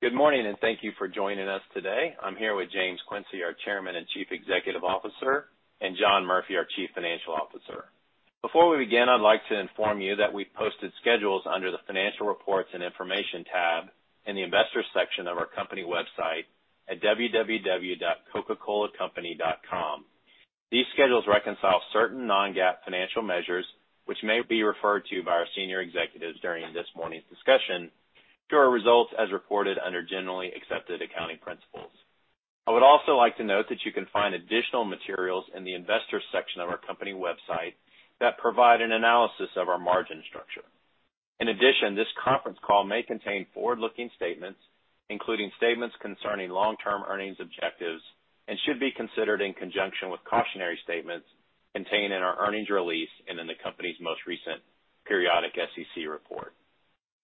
Good morning, and thank you for joining us today. I'm here with James Quincey, our Chairman and Chief Executive Officer, and John Murphy, our Chief Financial Officer. Before we begin, I'd like to inform you that we've posted schedules under the Financial Reports and Information tab in the Investors section of our company website at www.coca-colacompany.com. These schedules reconcile certain non-GAAP financial measures, which may be referred to by our senior executives during this morning's discussion to our results as reported under generally accepted accounting principles. I would also like to note that you can find additional materials in the Investors section of our company website that provide an analysis of our margin structure. This conference call may contain forward-looking statements, including statements concerning long-term earnings objectives and should be considered in conjunction with cautionary statements contained in our earnings release and in the company's most recent periodic SEC report.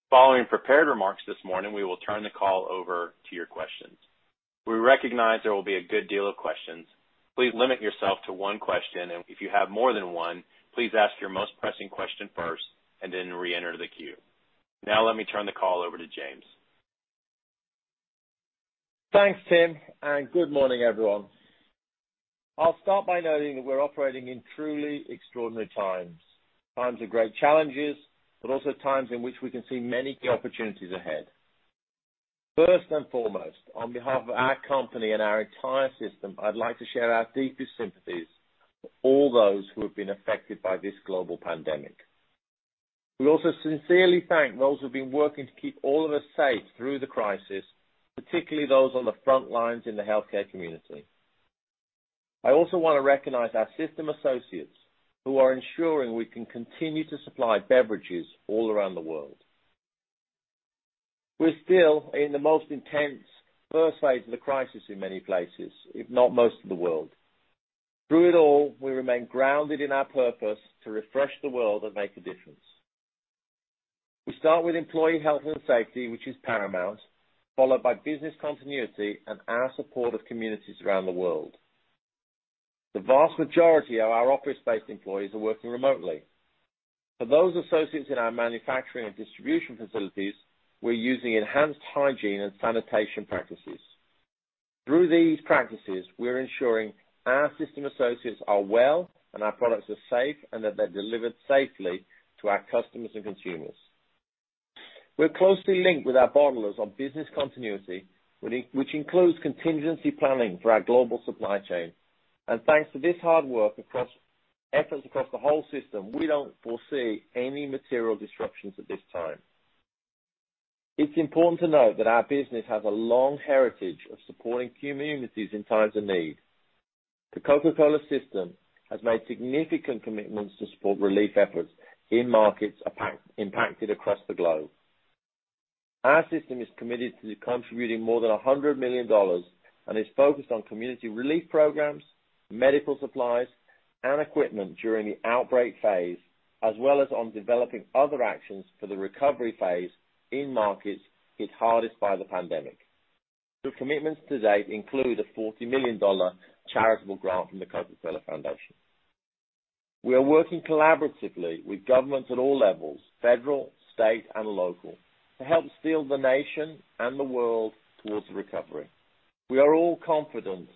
Following prepared remarks this morning, we will turn the call over to your questions. We recognize there will be a good deal of questions. Please limit yourself to one question, and if you have more than one, please ask your most pressing question first, and then reenter the queue. Let me turn the call over to James. Thanks, Tim. Good morning, everyone. I'll start by noting that we're operating in truly extraordinary times. Times of great challenges, also times in which we can see many key opportunities ahead. First and foremost, on behalf of our company and our entire system, I'd like to share our deepest sympathies for all those who have been affected by this global pandemic. We also sincerely thank those who've been working to keep all of us safe through the crisis, particularly those on the front lines in the healthcare community. I also want to recognize our system associates who are ensuring we can continue to supply beverages all around the world. We're still in the most intense first phase of the crisis in many places, if not most of the world. Through it all, we remain grounded in our purpose to refresh the world and make a difference. We start with employee health and safety, which is paramount, followed by business continuity and our support of communities around the world. The vast majority of our office-based employees are working remotely. For those associates in our manufacturing and distribution facilities, we're using enhanced hygiene and sanitation practices. Through these practices, we're ensuring our System associates are well, and our products are safe, and that they're delivered safely to our customers and consumers. Thanks to this hard work, efforts across the whole System, we don't foresee any material disruptions at this time. It's important to note that our business has a long heritage of supporting communities in times of need. The Coca-Cola System has made significant commitments to support relief efforts in markets impacted across the globe. Our system is committed to contributing more than $100 million and is focused on community relief programs, medical supplies, and equipment during the outbreak phase, as well as on developing other actions for the recovery phase in markets hit hardest by the pandemic. The commitments to date include a $40 million charitable grant from The Coca-Cola Foundation. We are working collaboratively with governments at all levels, federal, state, and local, to help steer the nation and the world towards recovery. We are all confident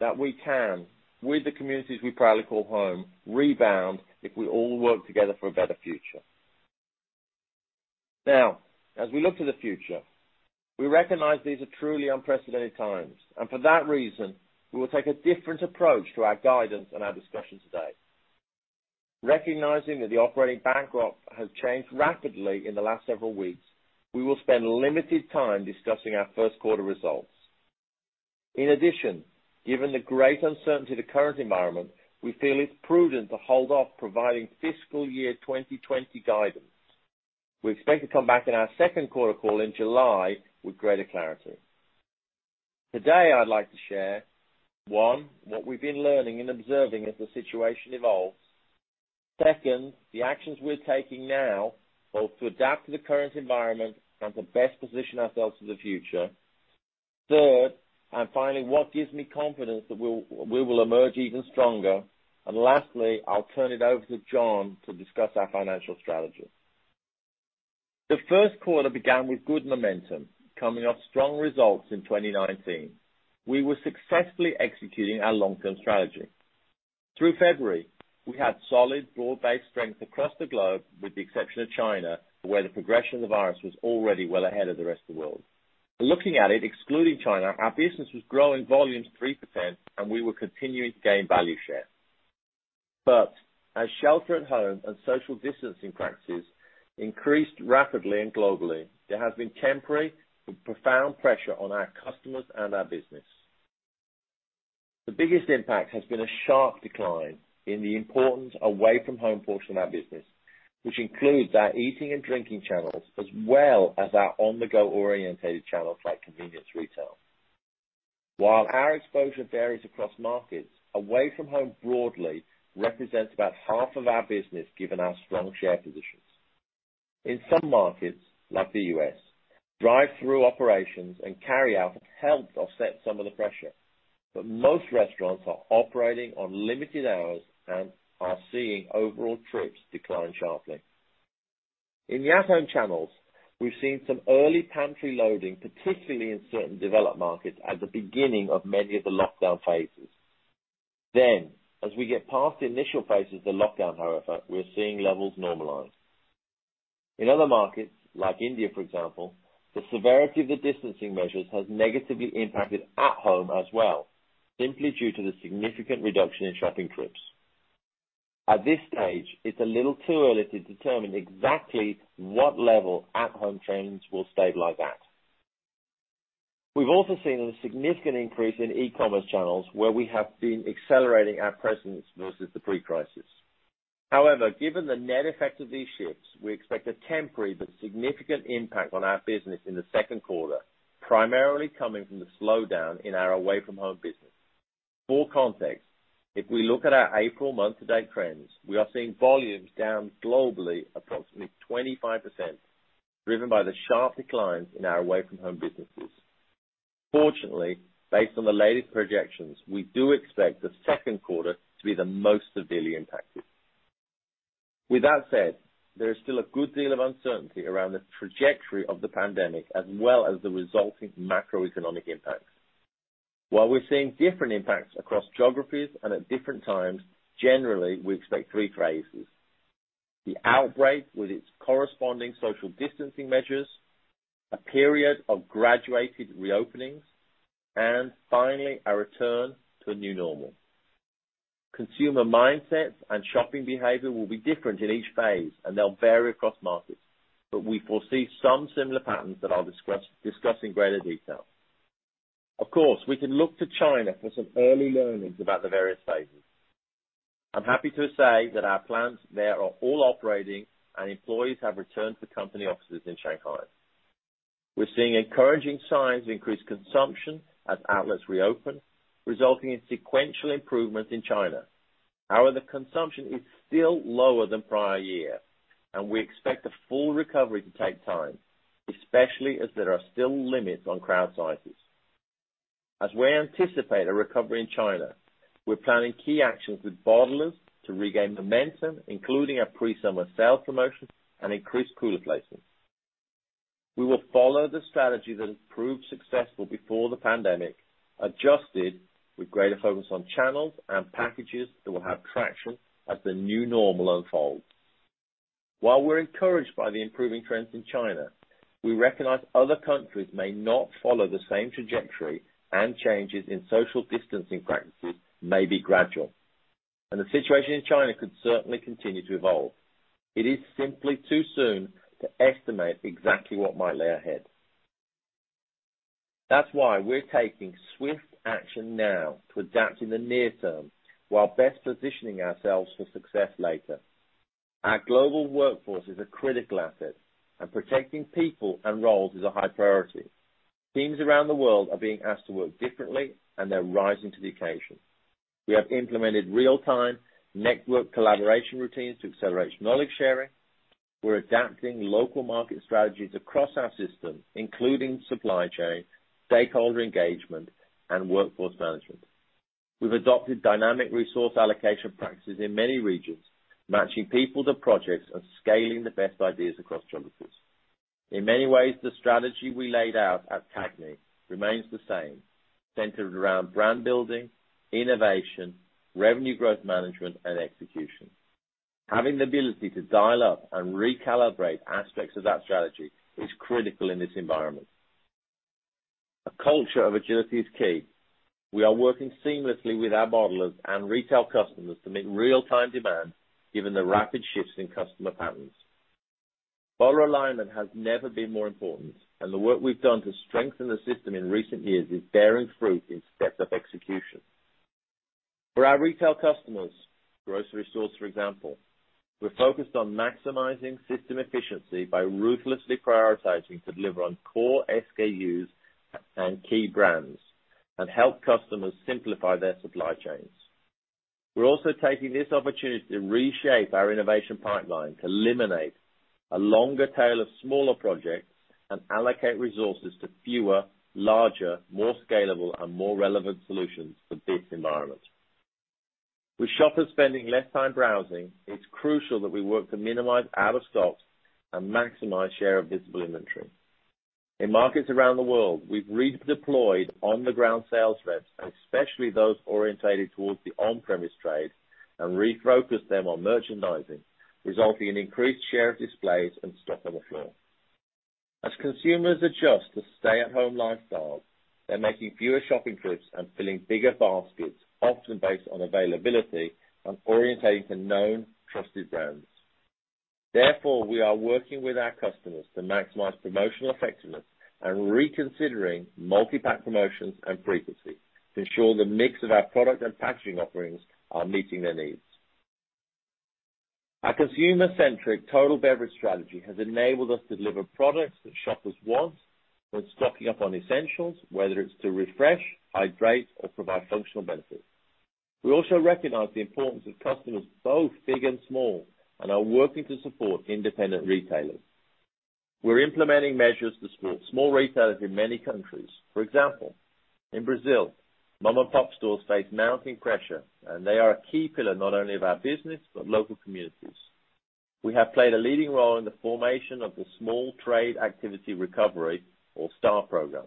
that we can, with the communities we proudly call home, rebound if we all work together for a better future. Now, as we look to the future, we recognize these are truly unprecedented times, and for that reason, we will take a different approach to our guidance and our discussion today. Recognizing that the operating backdrop has changed rapidly in the last several weeks, we will spend limited time discussing our first quarter results. Given the great uncertainty of the current environment, we feel it's prudent to hold off providing fiscal year 2020 guidance. We expect to come back in our second quarter call in July with greater clarity. Today, I'd like to share, 1, what we've been learning and observing as the situation evolves. 2, the actions we're taking now, both to adapt to the current environment and to best position ourselves for the future. 3, finally, what gives me confidence that we will emerge even stronger. Lastly, I'll turn it over to John to discuss our financial strategy. The first quarter began with good momentum, coming off strong results in 2019. We were successfully executing our long-term strategy. Through February, we had solid broad-based strength across the globe, with the exception of China, where the progression of the virus was already well ahead of the rest of the world. Looking at it, excluding China, our business was growing volumes 3%, and we were continuing to gain value share. As shelter at home and social distancing practices increased rapidly and globally, there has been temporary but profound pressure on our customers and our business. The biggest impact has been a sharp decline in the important away-from-home portion of our business, which includes our eating and drinking channels, as well as our on-the-go orientated channels like convenience retail. While our exposure varies across markets, away from home broadly represents about half of our business, given our strong share positions. In some markets, like the U.S., drive-through operations and carryout helped offset some of the pressure. Most restaurants are operating on limited hours and are seeing overall trips decline sharply. In the at-home channels, we've seen some early pantry loading, particularly in certain developed markets at the beginning of many of the lockdown phases. As we get past the initial phases of the lockdown, however, we're seeing levels normalize. In other markets, like India for example, the severity of the distancing measures has negatively impacted at-home as well, simply due to the significant reduction in shopping trips. At this stage, it's a little too early to determine exactly what level at-home trends will stabilize at. We've also seen a significant increase in e-commerce channels, where we have been accelerating our presence versus the pre-crisis. Given the net effect of these shifts, we expect a temporary but significant impact on our business in the second quarter, primarily coming from the slowdown in our away-from-home business. For context, if we look at our April month to date trends, we are seeing volumes down globally approximately 25%, driven by the sharp declines in our away-from-home businesses. Fortunately, based on the latest projections, we do expect the second quarter to be the most severely impacted. With that said, there is still a good deal of uncertainty around the trajectory of the pandemic, as well as the resulting macroeconomic impacts. While we're seeing different impacts across geographies and at different times, generally, we expect three phases. The outbreak with its corresponding social distancing measures, a period of graduated reopenings, and finally, a return to a new normal. Consumer mindsets and shopping behavior will be different in each phase, and they'll vary across markets. We foresee some similar patterns that I'll discuss in greater detail. Of course, we can look to China for some early learnings about the various phases. I'm happy to say that our plants there are all operating, and employees have returned to company offices in Shanghai. We're seeing encouraging signs of increased consumption as outlets reopen, resulting in sequential improvements in China. However, the consumption is still lower than prior year, and we expect the full recovery to take time, especially as there are still limits on crowd sizes. As we anticipate a recovery in China, we're planning key actions with bottlers to regain momentum, including our pre-summer sales promotion and increased cooler placements. We will follow the strategy that has proved successful before the pandemic, adjusted with greater focus on channels and packages that will have traction as the new normal unfolds. While we're encouraged by the improving trends in China, we recognize other countries may not follow the same trajectory and changes in social distancing practices may be gradual. The situation in China could certainly continue to evolve. It is simply too soon to estimate exactly what might lay ahead. That's why we're taking swift action now to adapt in the near term while best positioning ourselves for success later. Our global workforce is a critical asset, and protecting people and roles is a high priority. Teams around the world are being asked to work differently, and they're rising to the occasion. We have implemented real-time network collaboration routines to accelerate knowledge sharing. We're adapting local market strategies across our system, including supply chain, stakeholder engagement, and workforce management. We've adopted dynamic resource allocation practices in many regions, matching people to projects and scaling the best ideas across geographies. In many ways, the strategy we laid out at CAGNY remains the same, centered around brand building, innovation, Revenue Growth Management, and execution. Having the ability to dial up and recalibrate aspects of that strategy is critical in this environment. A culture of agility is key. We are working seamlessly with our bottlers and retail customers to meet real-time demand, given the rapid shifts in customer patterns. Bottler alignment has never been more important, and the work we've done to strengthen the system in recent years is bearing fruit in stepped-up execution. For our retail customers, grocery stores, for example, we're focused on maximizing system efficiency by ruthlessly prioritizing to deliver on core SKUs and key brands and help customers simplify their supply chains. We're also taking this opportunity to reshape our innovation pipeline to eliminate a longer tail of smaller projects and allocate resources to fewer, larger, more scalable, and more relevant solutions for this environment. With shoppers spending less time browsing, it's crucial that we work to minimize out of stocks and maximize share of visible inventory. In markets around the world, we've redeployed on-the-ground sales reps, and especially those orientated towards the on-premise trade, and refocused them on merchandising, resulting in increased share of displays and stock on the floor. As consumers adjust to stay-at-home lifestyles, they're making fewer shopping trips and filling bigger baskets, often based on availability and orientating to known, trusted brands. Therefore, we are working with our customers to maximize promotional effectiveness and reconsidering multi-pack promotions and frequency to ensure the mix of our product and packaging offerings are meeting their needs. Our consumer-centric total beverage strategy has enabled us to deliver products that shoppers want when stocking up on essentials, whether it's to refresh, hydrate, or provide functional benefits. We also recognize the importance of customers, both big and small, and are working to support independent retailers. We're implementing measures to support small retailers in many countries. For example, in Brazil, mom-and-pop stores face mounting pressure, and they are a key pillar not only of our business but local communities. We have played a leading role in the formation of the Small Trade Activity Recovery or STAR program.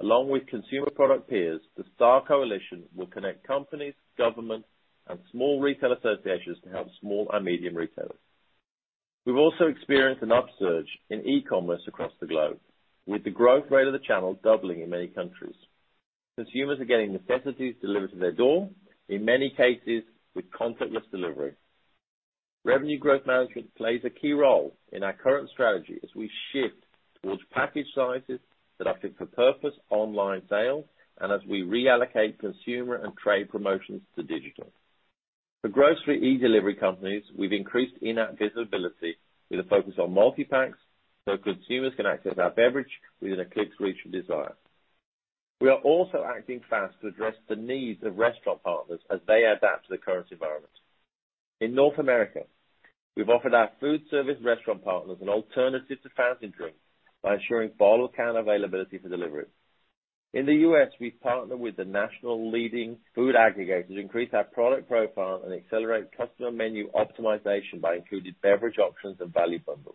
Along with consumer product peers, the STAR coalition will connect companies, government, and small retail associations to help small and medium retailers. We've also experienced an upsurge in e-commerce across the globe, with the growth rate of the channel doubling in many countries. Consumers are getting necessities delivered to their door, in many cases with contactless delivery. Revenue growth management plays a key role in our current strategy as we shift towards package sizes that are fit for purpose online sales, and as we reallocate consumer and trade promotions to digital. For grocery e-delivery companies, we've increased in-app visibility with a focus on multi-packs so consumers can access our beverage within a click's reach of desire. We are also acting fast to address the needs of restaurant partners as they adapt to the current environment. In North America, we've offered our food service restaurant partners an alternative to fountain drinks by ensuring bottle count availability for delivery. In the U.S., we partner with the national leading food aggregators to increase our product profile and accelerate customer menu optimization by including beverage options and value bundles.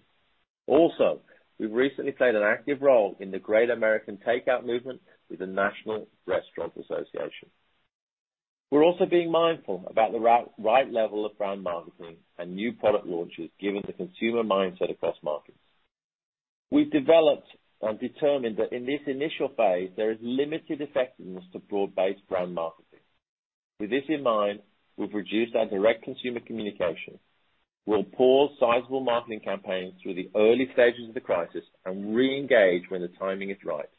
Also, we've recently played an active role in the Great American Takeout movement with the National Restaurant Association. We're also being mindful about the right level of brand marketing and new product launches given the consumer mindset across markets. We've developed and determined that in this initial phase, there is limited effectiveness to broad-based brand marketing. With this in mind, we've reduced our direct consumer communication. We'll pause sizable marketing campaigns through the early stages of the crisis and re-engage when the timing is right.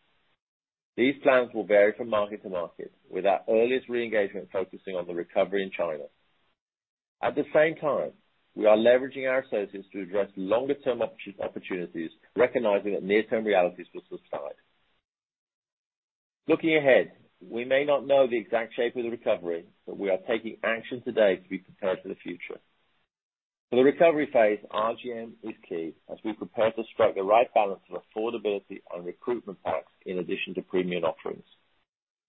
These plans will vary from market to market, with our earliest re-engagement focusing on the recovery in China. At the same time, we are leveraging our associates to address longer-term opportunities, recognizing that near-term realities will subside. Looking ahead, we may not know the exact shape of the recovery, but we are taking action today to be prepared for the future. For the recovery phase, RGM is key as we prepare to strike the right balance of affordability on recruitment packs in addition to premium offerings.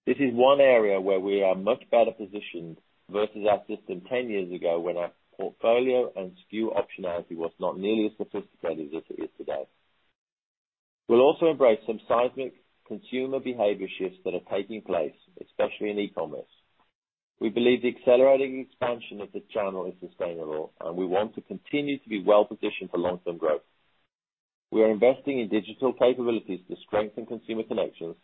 This is one area where we are much better positioned versus our system 10 years ago when our portfolio and SKU optionality was not nearly as sophisticated as it is today. We'll also embrace some seismic consumer behavior shifts that are taking place, especially in e-commerce. We believe the accelerating expansion of the channel is sustainable, and we want to continue to be well-positioned for long-term growth. We are investing in digital capabilities to strengthen consumer connections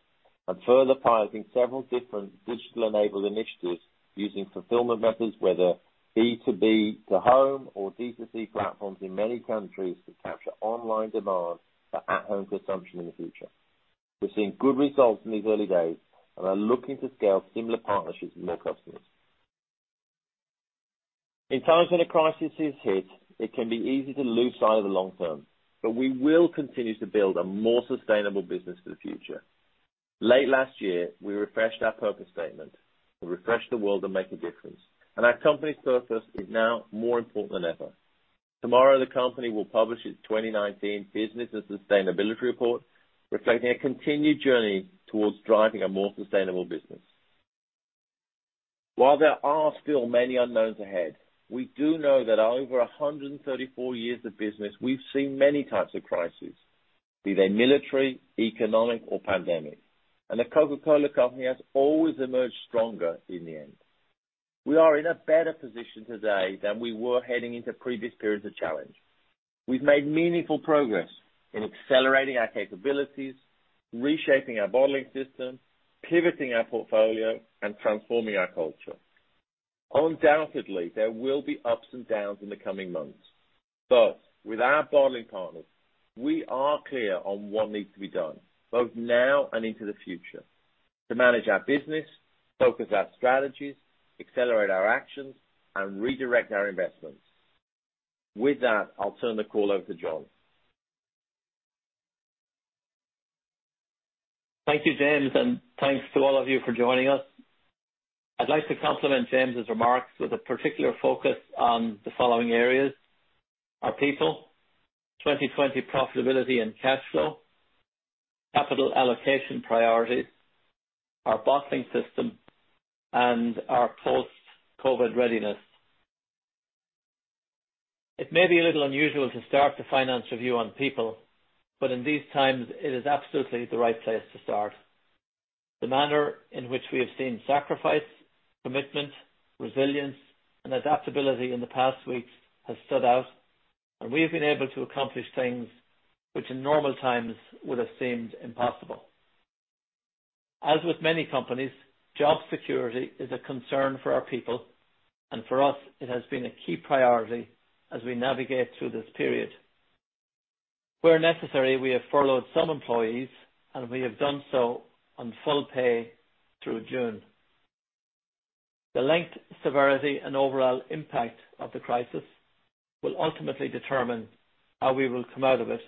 and further piloting several different digital-enabled initiatives using fulfillment methods, whether B2B to home or D2C platforms in many countries to capture online demand for at-home consumption in the future. We're seeing good results in these early days and are looking to scale similar partnerships with more customers. In times when a crisis hits, it can be easy to lose sight of the long term, but we will continue to build a more sustainable business for the future. Late last year, we refreshed our purpose statement, "To refresh the world and make a difference," and our company's purpose is now more important than ever. Tomorrow, the company will publish its 2019 Business and Sustainability Report, reflecting a continued journey towards driving a more sustainable business. While there are still many unknowns ahead, we do know that over 134 years of business, we've seen many types of crises, be they military, economic, or pandemic, and The Coca-Cola Company has always emerged stronger in the end. We are in a better position today than we were heading into previous periods of challenge. We've made meaningful progress in accelerating our capabilities, reshaping our bottling system, pivoting our portfolio, and transforming our culture. With our bottling partners, we are clear on what needs to be done, both now and into the future, to manage our business, focus our strategies, accelerate our actions, and redirect our investments. With that, I'll turn the call over to John. Thank you, James, and thanks to all of you for joining us. I'd like to complement James's remarks with a particular focus on the following areas: our people, 2020 profitability and cash flow, capital allocation priorities, our bottling system, and our post-COVID readiness. It may be a little unusual to start the finance review on people, but in these times it is absolutely the right place to start. The manner in which we have seen sacrifice, commitment, resilience, and adaptability in the past weeks has stood out, and we have been able to accomplish things which in normal times would have seemed impossible. As with many companies, job security is a concern for our people, and for us, it has been a key priority as we navigate through this period. Where necessary, we have furloughed some employees, and we have done so on full pay through June. The length, severity, and overall impact of the crisis will ultimately determine how we will come out of it,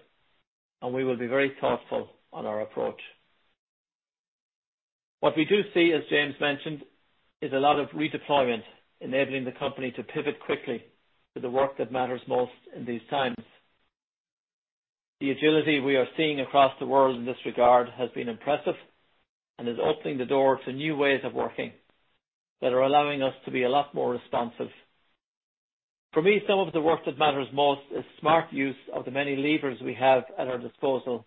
and we will be very thoughtful on our approach. What we do see, as James mentioned, is a lot of redeployment enabling the company to pivot quickly to the work that matters most in these times. The agility we are seeing across the world in this regard has been impressive and is opening the door to new ways of working that are allowing us to be a lot more responsive. For me, some of the work that matters most is smart use of the many levers we have at our disposal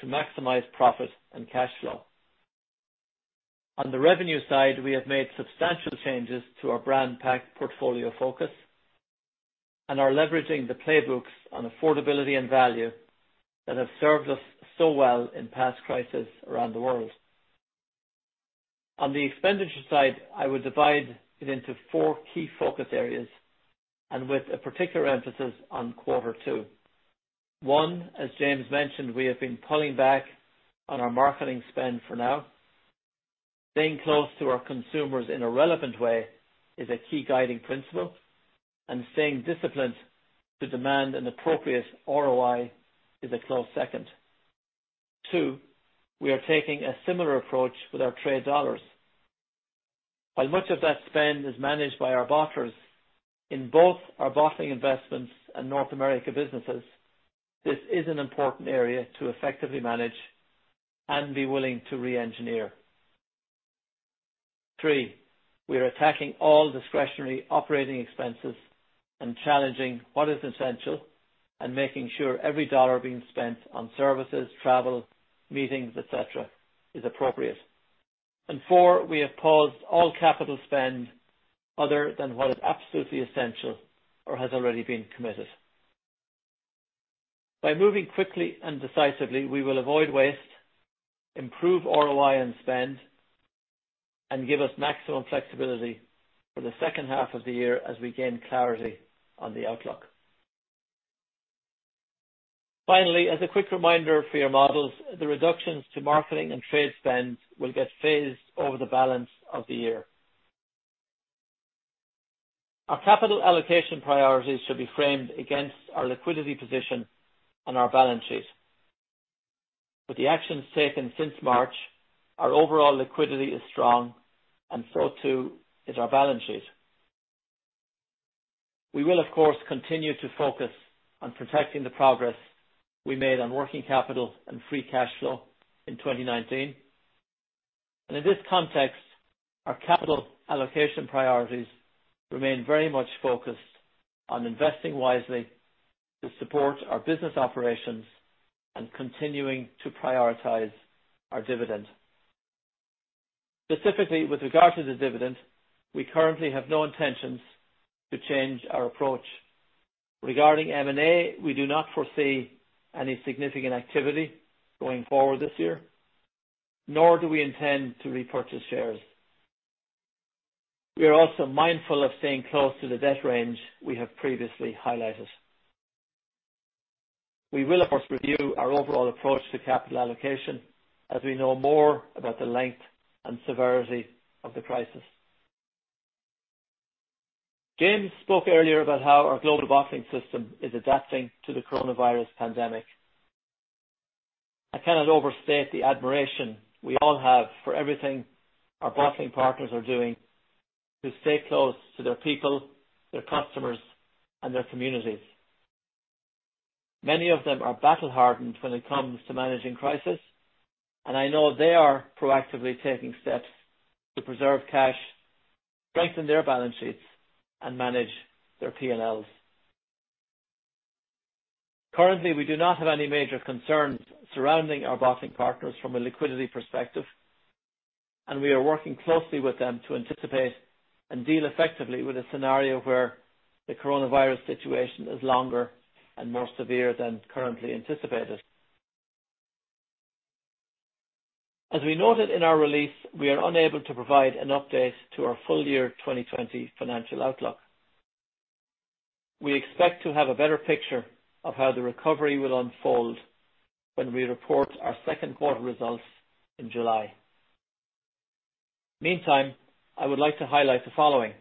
to maximize profit and cash flow. On the revenue side, we have made substantial changes to our brand pack portfolio focus and are leveraging the playbooks on affordability and value that have served us so well in past crises around the world. On the expenditure side, I would divide it into four key focus areas, and with a particular emphasis on quarter two. One, as James mentioned, we have been pulling back on our marketing spend for now. Staying close to our consumers in a relevant way is a key guiding principle, and staying disciplined to demand an appropriate ROI is a close second. Two, we are taking a similar approach with our trade dollars. While much of that spend is managed by our bottlers, in both our Bottling Investments and North America businesses, this is an important area to effectively manage and be willing to re-engineer. Three, we are attacking all discretionary operating expenses and challenging what is essential and making sure every dollar being spent on services, travel, meetings, et cetera, is appropriate. Four, we have paused all capital spend other than what is absolutely essential or has already been committed. By moving quickly and decisively, we will avoid waste, improve ROI on spend, and give us maximum flexibility for the second half of the year as we gain clarity on the outlook. Finally, as a quick reminder for your models, the reductions to marketing and trade spend will get phased over the balance of the year. Our capital allocation priorities should be framed against our liquidity position and our balance sheet. With the actions taken since March, our overall liquidity is strong and so too is our balance sheet. We will, of course, continue to focus on protecting the progress we made on working capital and free cash flow in 2019. In this context, our capital allocation priorities remain very much focused on investing wisely to support our business operations and continuing to prioritize our dividend. Specifically, with regard to the dividend, we currently have no intentions to change our approach. Regarding M&A, we do not foresee any significant activity going forward this year, nor do we intend to repurchase shares. We are also mindful of staying close to the debt range we have previously highlighted. We will, of course, review our overall approach to capital allocation as we know more about the length and severity of the crisis. James spoke earlier about how our global bottling system is adapting to the COVID-19 pandemic. I cannot overstate the admiration we all have for everything our bottling partners are doing to stay close to their people, their customers, and their communities. Many of them are battle-hardened when it comes to managing crisis, and I know they are proactively taking steps to preserve cash, strengthen their balance sheets, and manage their P&Ls. Currently, we do not have any major concerns surrounding our bottling partners from a liquidity perspective, and we are working closely with them to anticipate and deal effectively with a scenario where the coronavirus situation is longer and more severe than currently anticipated. As we noted in our release, we are unable to provide an update to our full year 2020 financial outlook. We expect to have a better picture of how the recovery will unfold when we report our second quarter results in July. Meantime, I would like to highlight the following.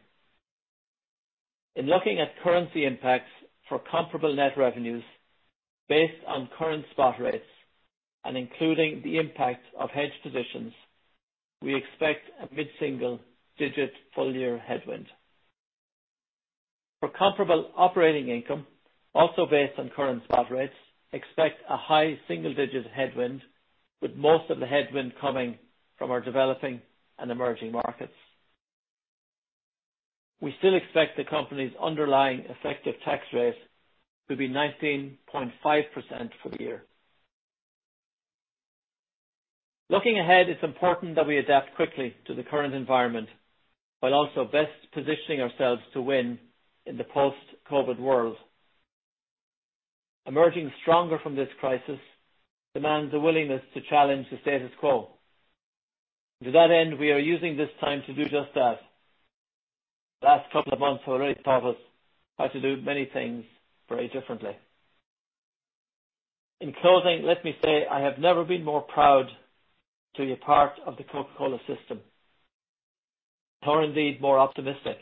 In looking at currency impacts for comparable net revenues based on current spot rates and including the impact of hedge positions, we expect a mid-single digit full year headwind. For comparable operating income, also based on current spot rates, expect a high single-digit headwind, with most of the headwind coming from our developing and emerging markets. We still expect the company's underlying effective tax rate to be 19.5% for the year. Looking ahead, it's important that we adapt quickly to the current environment, while also best positioning ourselves to win in the post-COVID world. Emerging stronger from this crisis demands a willingness to challenge the status quo. To that end, we are using this time to do just that. The last couple of months have already taught us how to do many things very differently. In closing, let me say, I have never been more proud to be a part of the Coca-Cola System. Indeed more optimistic.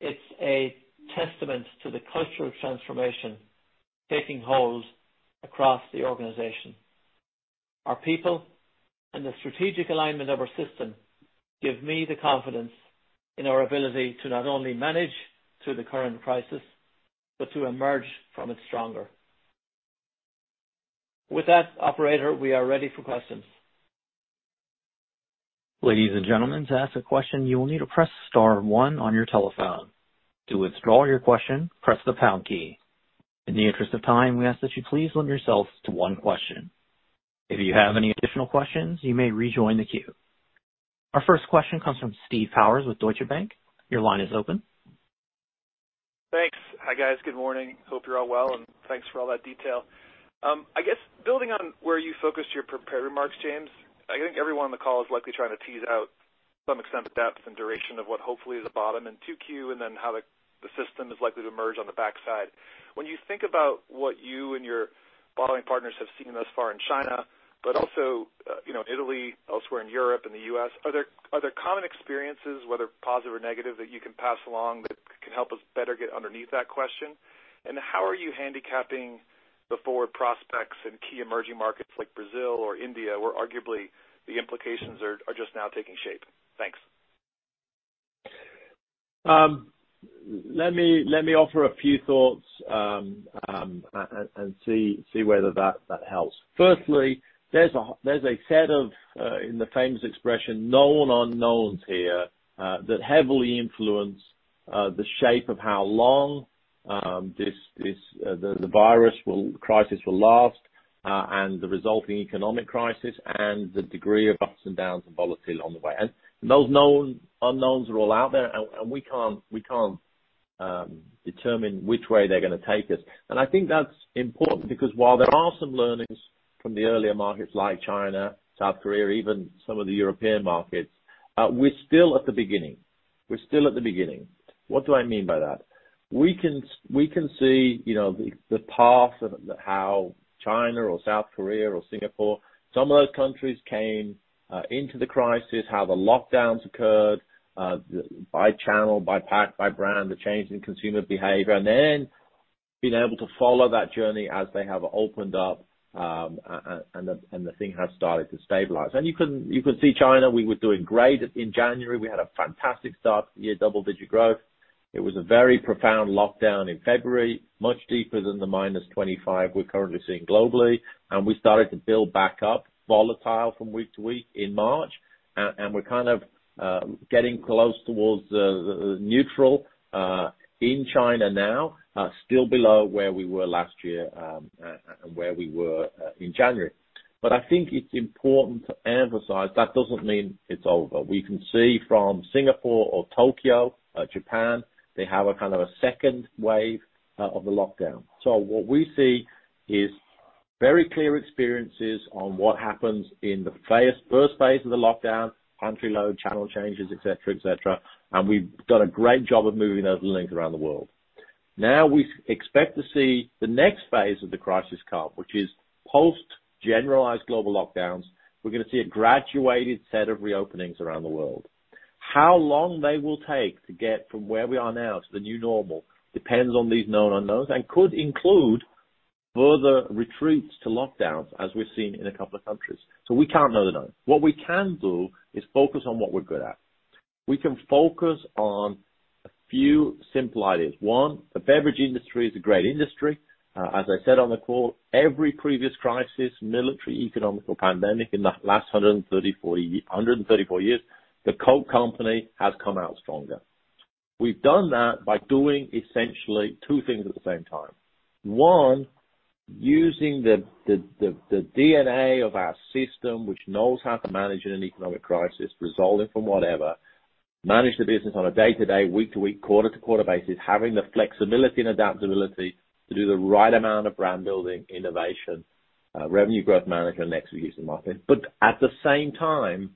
It's a testament to the cultural transformation taking hold across the organization. Our people and the strategic alignment of our system give me the confidence in our ability to not only manage through the current crisis, but to emerge from it stronger. With that, operator, we are ready for questions. Ladies and gentlemen, to ask a question, you will need to press star one on your telephone. To withdraw your question, press the pound key. In the interest of time, we ask that you please limit yourselves to one question. If you have any additional questions, you may rejoin the queue. Our first question comes from Steve Powers with Deutsche Bank. Your line is open. Thanks. Hi, guys. Good morning. Hope you're all well, and thanks for all that detail. I guess building on where you focused your prepared remarks, James, I think everyone on the call is likely trying to tease out some extent of depth and duration of what hopefully is a bottom in 2Q and then how the system is likely to emerge on the backside. When you think about what you and your bottling partners have seen thus far in China, but also Italy, elsewhere in Europe, and the U.S., are there common experiences, whether positive or negative, that you can pass along that can help us better get underneath that question? How are you handicapping the forward prospects in key emerging markets like Brazil or India, where arguably the implications are just now taking shape? Thanks. Let me offer a few thoughts and see whether that helps. Firstly, there's a set of, in the famous expression, known unknowns here that heavily influence the shape of how long the virus crisis will last, and the resulting economic crisis, and the degree of ups and downs and volatility along the way. Those known unknowns are all out there, and we can't determine which way they're going to take us. I think that's important because while there are some learnings from the earlier markets like China, South Korea, or even some of the European markets, we're still at the beginning. What do I mean by that? We can see the path of how China or South Korea or Singapore, some of those countries came into the crisis, how the lockdowns occurred, by channel, by pack, by brand, the change in consumer behavior, and then being able to follow that journey as they have opened up and the thing has started to stabilize. You can see China. We were doing great in January. We had a fantastic start to the year, double-digit growth. It was a very profound lockdown in February, much deeper than the -25 we're currently seeing globally. We started to build back up volatile from week to week in March. We're kind of getting close towards the neutral in China now, still below where we were last year and where we were in January. I think it's important to emphasize that doesn't mean it's over. We can see from Singapore or Tokyo, Japan, they have a kind of a second wave of the lockdown. What we see is very clear experiences on what happens in the first phase of the lockdown, country load, channel changes, et cetera. We've done a great job of moving those learnings around the world. Now we expect to see the next phase of the crisis curve, which is post-generalized global lockdowns. We're going to see a graduated set of reopenings around the world. How long they will take to get from where we are now to the new normal depends on these known unknowns and could include further retreats to lockdowns as we've seen in a couple of countries. We can't know the unknown. What we can do is focus on what we're good at. We can focus on a few simple ideas. One, the beverage industry is a great industry. As I said on the call, every previous crisis, military, economical, pandemic in the last 134 years, The Coca-Cola Company has come out stronger. We've done that by doing essentially two things at the same time. One, using the DNA of our system, which knows how to manage in an economic crisis, resolving from whatever, manage the business on a day-to-day, week-to-week, quarter-to-quarter basis, having the flexibility and adaptability to do the right amount of brand building, innovation, revenue growth management, and execution to market. At the same time,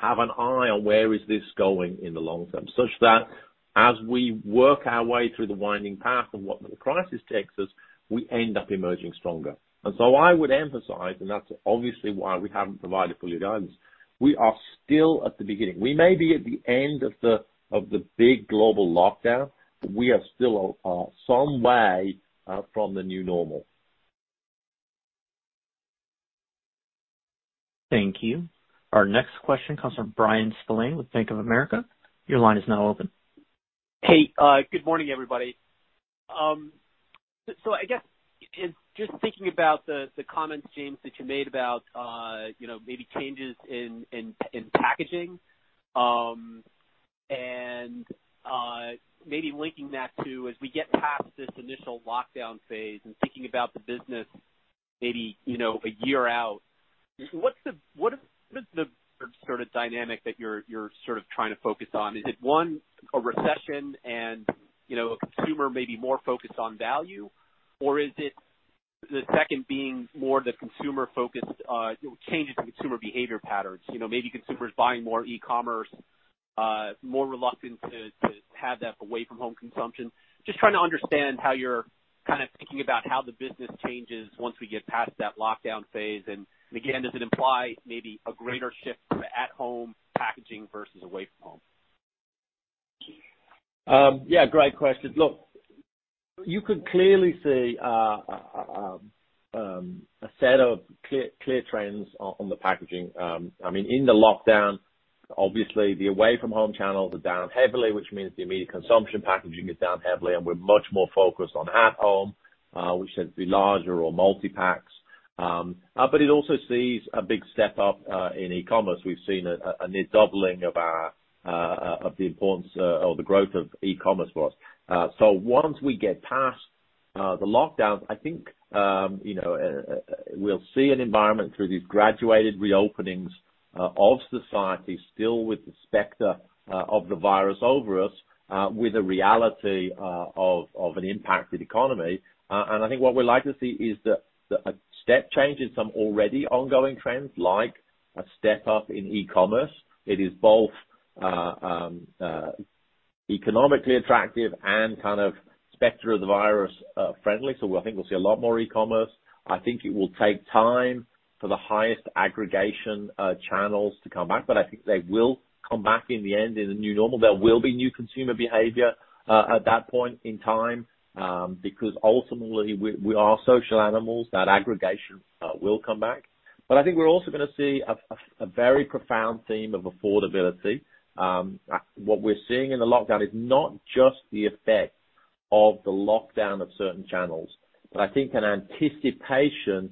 have an eye on where is this going in the long term, such that as we work our way through the winding path of what the crisis takes us, we end up emerging stronger. I would emphasize, and that's obviously why we haven't provided full-year guidance. We are still at the beginning. We may be at the end of the big global lockdown, but we are still some way from the new normal. Thank you. Our next question comes from Bryan Spillane with Bank of America. Your line is now open. Hey, good morning, everybody. I guess, just thinking about the comments, James, that you made about maybe changes in packaging, and maybe linking that to as we get past this initial lockdown phase and thinking about the business maybe a year out, what is the sort of dynamic that you're trying to focus on? Is it, one, a recession and a consumer maybe more focused on value? Is it the second being more the consumer-focused changes in consumer behavior patterns? Maybe consumers buying more e-commerce, more reluctant to have that away from home consumption. Just trying to understand how you're thinking about how the business changes once we get past that lockdown phase. Again, does it imply maybe a greater shift to at-home packaging versus away from home? Yeah, great question. Look, you could clearly see a set of clear trends on the packaging. In the lockdown, obviously the away-from-home channels are down heavily, which means the immediate consumption packaging is down heavily, and we're much more focused on at home, which tends to be larger or multi-packs. It also sees a big step-up in e-commerce. We've seen a near doubling of the growth of e-commerce for us. Once we get past the lockdowns, I think we'll see an environment through these graduated reopenings of society still with the specter of the virus over us, with the reality of an impacted economy. I think what we'd like to see is a step change in some already ongoing trends, like a step-up in e-commerce. It is both economically attractive and kind of specter-of-the-virus friendly. I think we'll see a lot more e-commerce. I think it will take time for the highest aggregation channels to come back, but I think they will come back in the end in the new normal. There will be new consumer behavior at that point in time, because ultimately, we are social animals. That aggregation will come back. I think we're also going to see a very profound theme of affordability. What we're seeing in the lockdown is not just the effect of the lockdown of certain channels, but I think an anticipation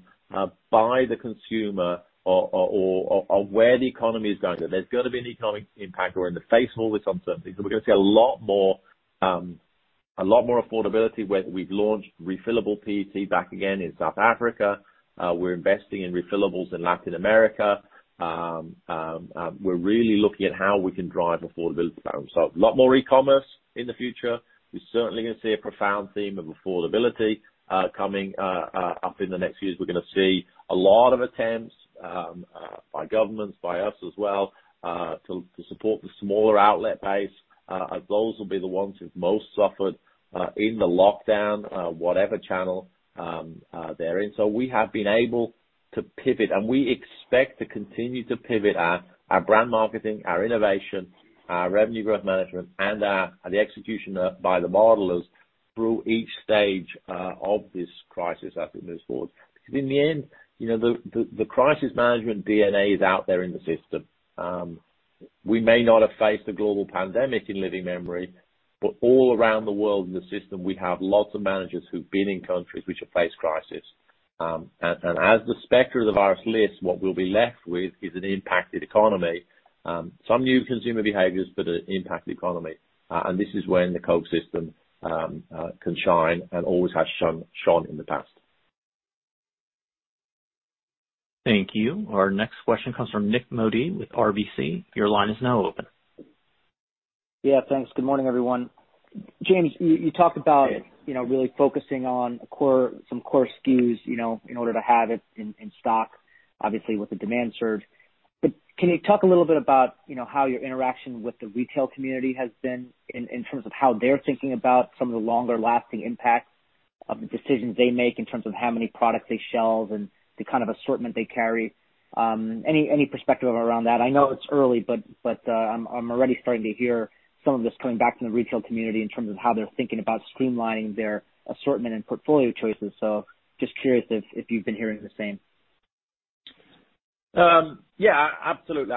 by the consumer of where the economy is going, that there's got to be an economic impact. We're in the face of all this uncertainty. We're going to see a lot more affordability, whether we've launched refillable PET back again in South Africa. We're investing in refillables in Latin America. We're really looking at how we can drive affordability down. A lot more e-commerce in the future. We're certainly going to see a profound theme of affordability coming up in the next few years. We're going to see a lot of attempts by governments, by us as well, to support the smaller outlet base. Those will be the ones who've most suffered in the lockdown, whatever channel they're in. We have been able to pivot, and we expect to continue to pivot our brand marketing, our innovation, our revenue growth management, and the execution by the bottlers through each stage of this crisis as it moves forward. In the end, the crisis management DNA is out there in the system. We may not have faced a global pandemic in living memory, but all around the world in the system, we have lots of managers who've been in countries which have faced crisis. As the specter of the virus lifts, what we'll be left with is an impacted economy. Some new consumer behaviors, an impacted economy. This is when the Coke system can shine and always has shone in the past. Thank you. Our next question comes from Nik Modi with RBC. Your line is now open. Yeah, thanks. Good morning, everyone. James, you talked about really focusing on some core SKUs in order to have it in stock, obviously with the demand surge. Can you talk a little bit about how your interaction with the retail community has been in terms of how they're thinking about some of the longer-lasting impacts of the decisions they make in terms of how many products they shelve and the kind of assortment they carry? Any perspective around that? I know it's early, but I'm already starting to hear some of this coming back from the retail community in terms of how they're thinking about streamlining their assortment and portfolio choices. Just curious if you've been hearing the same. Yeah, absolutely.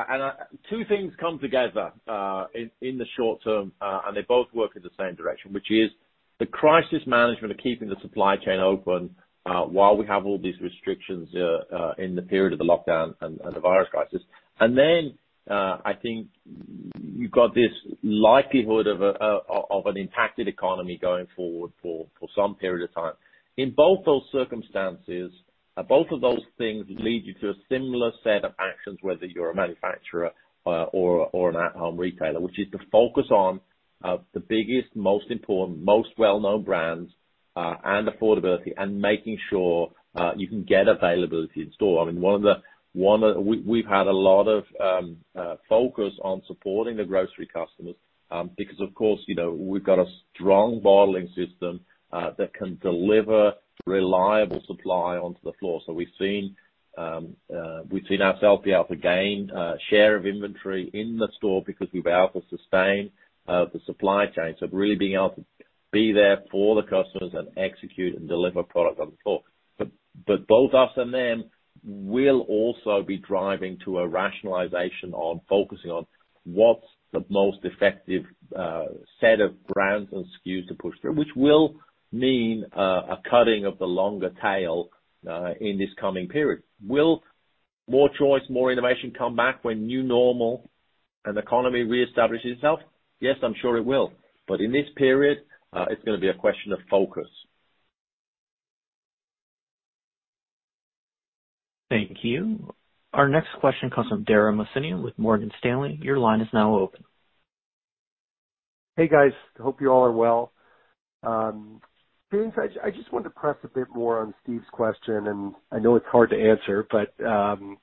Two things come together in the short term, and they both work in the same direction, which is the crisis management of keeping the supply chain open while we have all these restrictions in the period of the lockdown and the virus crisis. I think you've got this likelihood of an impacted economy going forward for some period of time. In both those circumstances, both of those things lead you to a similar set of actions, whether you're a manufacturer or an at-home retailer, which is to focus on the biggest, most important, most well-known brands and affordability and making sure you can get availability in store. We've had a lot of focus on supporting the grocery customers because, of course, we've got a strong bottling system that can deliver reliable supply onto the floor. We've seen ourselves be able to gain share of inventory in the store because we've been able to sustain the supply chain. Really being able to be there for the customers and execute and deliver product on the floor. Both us and them will also be driving to a rationalization on focusing on what's the most effective set of brands and SKUs to push through, which will mean a cutting of the longer tail in this coming period. Will more choice, more innovation come back when new normal and the economy reestablishes itself? Yes, I'm sure it will. In this period, it's going to be a question of focus. Thank you. Our next question comes from Dara Mohsenian with Morgan Stanley. Your line is now open. Hey, guys. Hope you all are well. James, I just wanted to press a bit more on Steve's question, and I know it's hard to answer, but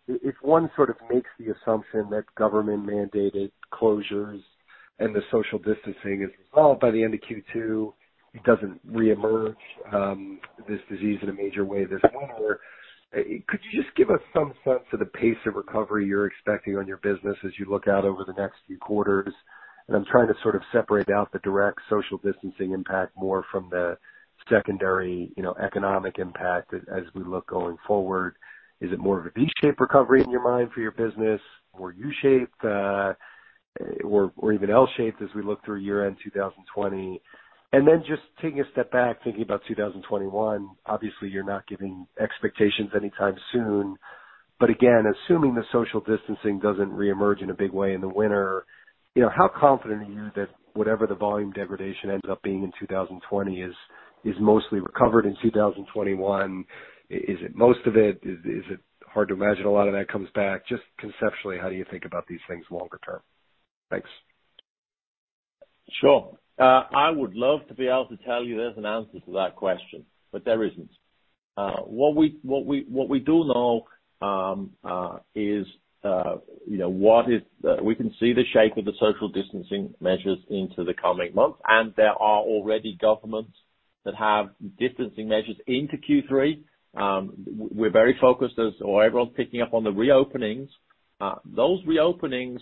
if one sort of makes the assumption that government-mandated closures and the social distancing is resolved by the end of Q2. It doesn't reemerge, this disease, in a major way this winter. Could you just give us some sense of the pace of recovery you're expecting on your business as you look out over the next few quarters? I'm trying to sort of separate out the direct social distancing impact more from the secondary economic impact as we look going forward. Is it more of a V-shaped recovery in your mind for your business, or U-shaped, or even L-shaped, as we look through year-end 2020? Just taking a step back, thinking about 2021, obviously, you're not giving expectations anytime soon. Again, assuming the social distancing doesn't reemerge in a big way in the winter, how confident are you that whatever the volume degradation ends up being in 2020 is mostly recovered in 2021? Is it most of it? Is it hard to imagine a lot of that comes back? Just conceptually, how do you think about these things longer term? Thanks. Sure. I would love to be able to tell you there's an answer to that question, but there isn't. What we do know is we can see the shape of the social distancing measures into the coming months, and there are already governments that have distancing measures into Q3. We're very focused as everyone's picking up on the reopenings. Those reopenings,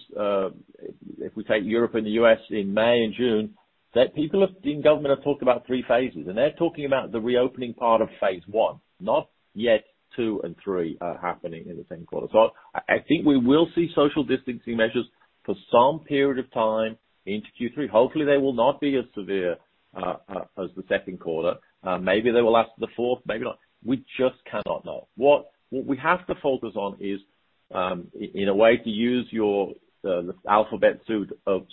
if we take Europe and the U.S. in May and June, that people in government have talked about three phases, and they're talking about the reopening part of phase I, not yet two and three are happening in the same quarter. I think we will see social distancing measures for some period of time into Q3. Hopefully, they will not be as severe as the second quarter. Maybe they will last to the fourth, maybe not. We just cannot know. What we have to focus on is, in a way, to use your alphabet soup of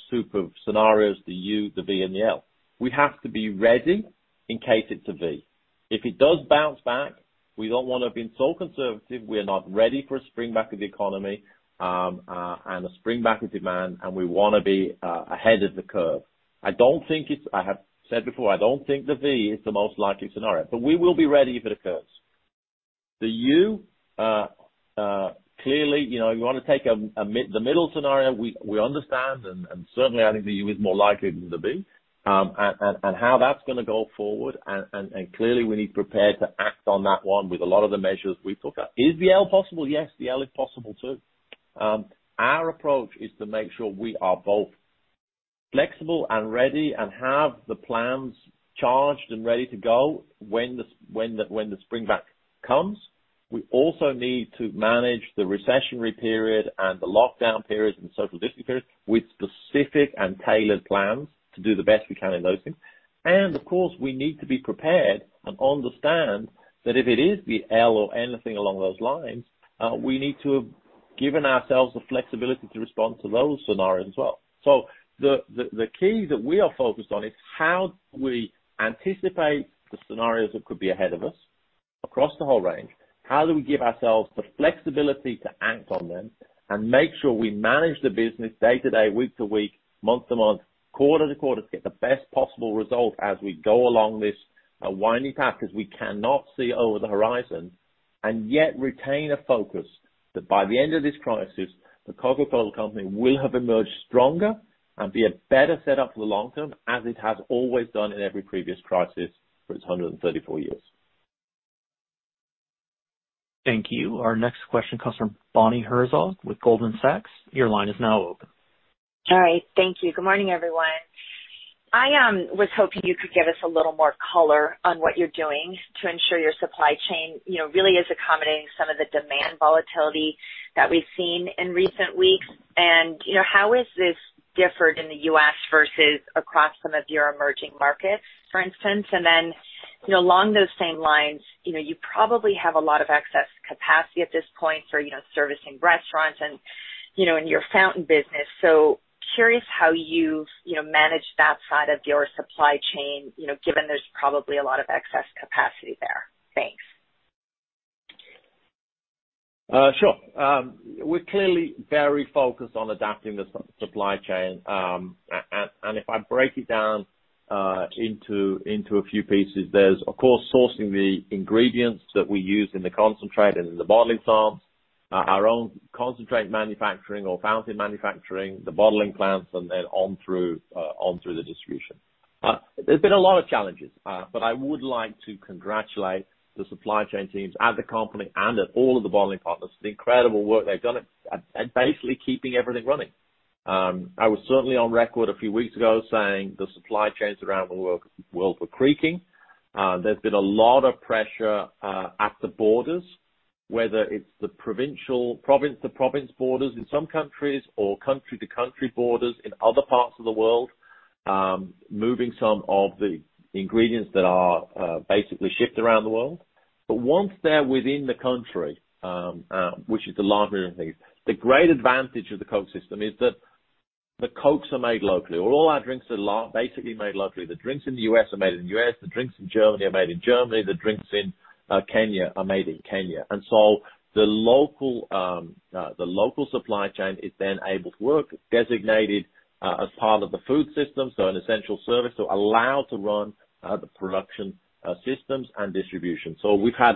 scenarios, the U, the V, and the L. We have to be ready in case it's a V. If it does bounce back, we don't want to have been so conservative we're not ready for a springback of the economy, and a springback of demand, and we want to be ahead of the curve. I have said before, I don't think the V is the most likely scenario, but we will be ready if it occurs. The U, clearly, you want to take the middle scenario. We understand, and certainly, I think the U is more likely than the V. How that's going to go forward, and clearly, we need to prepare to act on that one with a lot of the measures we've talked about. Is the L possible? Yes, the L is possible, too. Our approach is to make sure we are both flexible and ready and have the plans charged and ready to go when the springback comes. We also need to manage the recessionary period and the lockdown periods and the social distancing periods with specific and tailored plans to do the best we can in those things. Of course, we need to be prepared and understand that if it is the L or anything along those lines, we need to have given ourselves the flexibility to respond to those scenarios as well. The key that we are focused on is how we anticipate the scenarios that could be ahead of us across the whole range. How do we give ourselves the flexibility to act on them and make sure we manage the business day to day, week to week, month to month, quarter to quarter, to get the best possible result as we go along this winding path, as we cannot see over the horizon, and yet retain a focus that by the end of this crisis, The Coca-Cola Company will have emerged stronger and be a better setup for the long term, as it has always done in every previous crisis for its 134 years. Thank you. Our next question comes from Bonnie Herzog with Goldman Sachs. Your line is now open. All right. Thank you. Good morning, everyone. I was hoping you could give us a little more color on what you're doing to ensure your supply chain really is accommodating some of the demand volatility that we've seen in recent weeks. How has this differed in the U.S. versus across some of your emerging markets, for instance? Along those same lines, you probably have a lot of excess capacity at this point for servicing restaurants and in your fountain business. Curious how you've managed that side of your supply chain, given there's probably a lot of excess capacity there. Thanks. Sure. We're clearly very focused on adapting the supply chain. If I break it down into a few pieces, there's, of course, sourcing the ingredients that we use in the concentrate and in the bottling plants, our own concentrate manufacturing or fountain manufacturing, the bottling plants, and then on through the distribution. There's been a lot of challenges. I would like to congratulate the supply chain teams at the company and at all of the bottling partners, the incredible work they've done at basically keeping everything running. I was certainly on record a few weeks ago saying the supply chains around the world were creaking. There's been a lot of pressure at the borders, whether it's the province-to-province borders in some countries or country-to-country borders in other parts of the world, moving some of the ingredients that are basically shipped around the world. Once they're within the country, which is the larger of these, the great advantage of the Coke system is that the Cokes are made locally. All our drinks are basically made locally. The drinks in the U.S. are made in the U.S., the drinks in Germany are made in Germany, the drinks in Kenya are made in Kenya. The local supply chain is then able to work, designated as part of the food system, an essential service to allow to run the production systems and distribution. We've had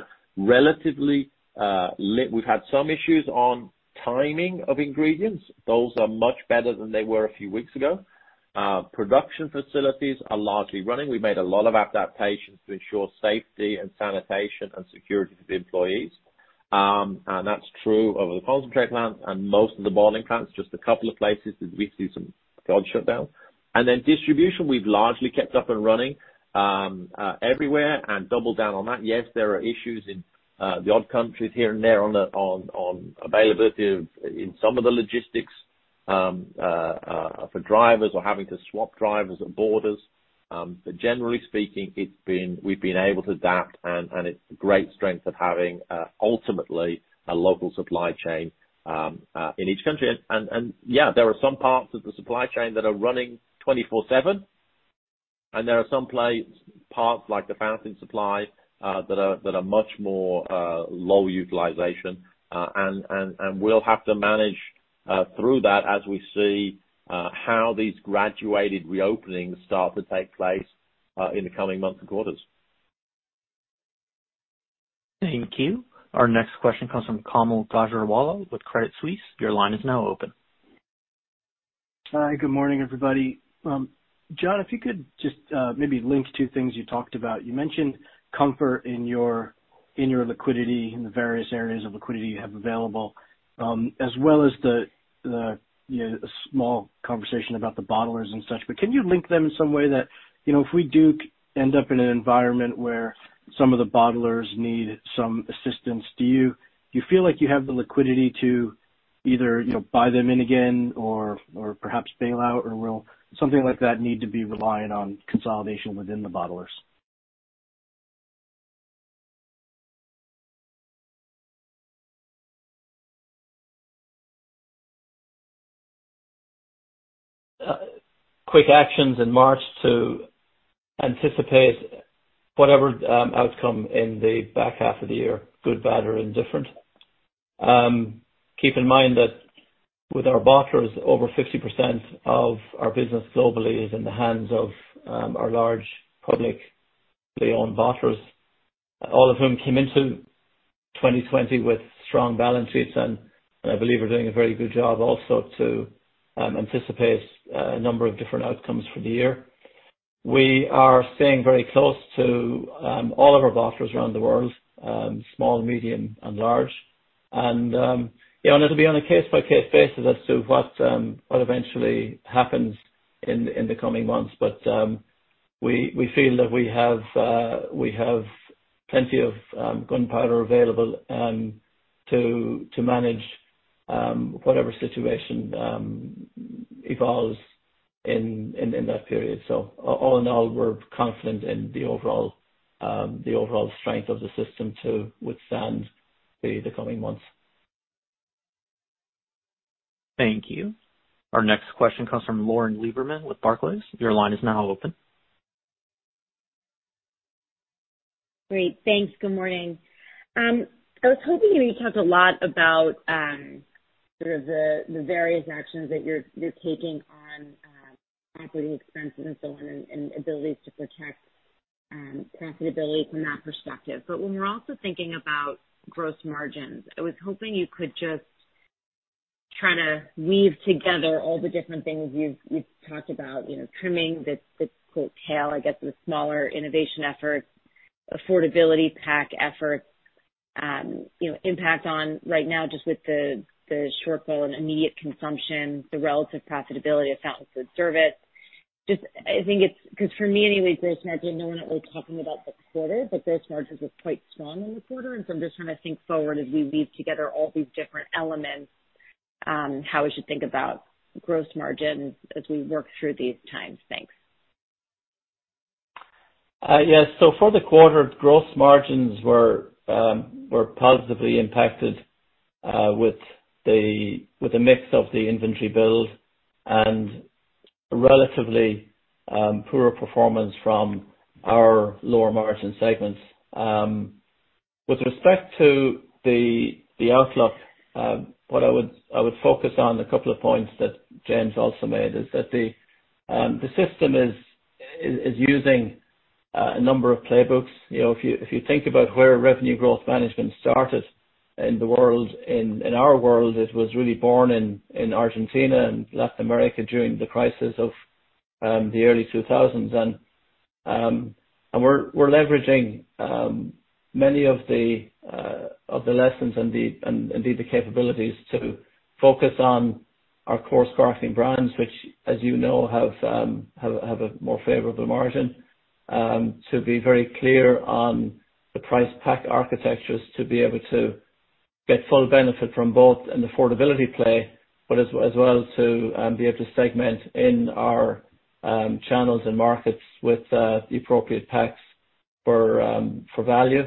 some issues on timing of ingredients, those are much better than they were a few weeks ago. Production facilities are largely running. We made a lot of adaptations to ensure safety and sanitation and security for the employees. That's true of the concentrate plant and most of the bottling plants, just a couple of places did we see some odd shutdowns. Distribution, we've largely kept up and running, everywhere and doubled down on that. Yes, there are issues in the odd countries here and there on availability in some of the logistics for drivers or having to swap drivers at borders. Generally speaking, we've been able to adapt, and it's a great strength of having, ultimately, a local supply chain in each country. Yeah, there are some parts of the supply chain that are running 24/7, and there are some parts, like the fountain supply, that are much more low utilization. We'll have to manage through that as we see how these graduated reopenings start to take place in the coming months and quarters. Thank you. Our next question comes from Kaumil Gajrawala with Credit Suisse. Your line is now open. Hi, good morning, everybody. John, if you could just maybe link two things you talked about. You mentioned comfort in your liquidity, in the various areas of liquidity you have available, as well as the small conversation about the bottlers and such. Can you link them in some way that if we do end up in an environment where some of the bottlers need some assistance, do you feel like you have the liquidity to either buy them in again or perhaps bail out, or will something like that need to be reliant on consolidation within the bottlers? Quick actions in March to anticipate whatever outcome in the back half of the year, good, bad, or indifferent. Keep in mind that with our bottlers, over 50% of our business globally is in the hands of our large publicly owned bottlers, all of whom came into 2020 with strong balance sheets and I believe are doing a very good job also to anticipate a number of different outcomes for the year. We are staying very close to all of our bottlers around the world, small, medium, and large. It'll be on a case-by-case basis as to what eventually happens in the coming months. We feel that we have plenty of gunpowder available to manage whatever situation evolves in that period. All in all, we're confident in the overall strength of the system to withstand the coming months. Thank you. Our next question comes from Lauren Lieberman with Barclays. Your line is now open. Great. Thanks. Good morning. I was hoping, you talked a lot about sort of the various actions that you're taking on operating expenses and so on, and abilities to protect profitability from that perspective. When we're also thinking about gross margins, I was hoping you could just try to weave together all the different things you've talked about, trimming this tail, I guess, the smaller innovation efforts, affordability pack efforts, impact on right now just with the shortfall in immediate consumption, the relative profitability of fountain food service. For me, anyway, gross margin, no one at all talking about the quarter, but gross margins were quite strong in the quarter. I'm just trying to think forward as we weave together all these different elements, how we should think about gross margins as we work through these times. Thanks. Yes. For the quarter, gross margins were positively impacted with the mix of the inventory build and relatively poorer performance from our lower-margin segments. With respect to the outlook, what I would focus on, a couple of points that James also made, is that the system is using a number of playbooks. If you think about where revenue growth management started in our world, it was really born in Argentina and Latin America during the crisis of the early 2000s. We're leveraging many of the lessons and indeed the capabilities to focus on our core sparkling brands, which as you know, have a more favorable margin. To be very clear on the price pack architectures, to be able to get full benefit from both an affordability play, but as well to be able to segment in our channels and markets with the appropriate packs for value.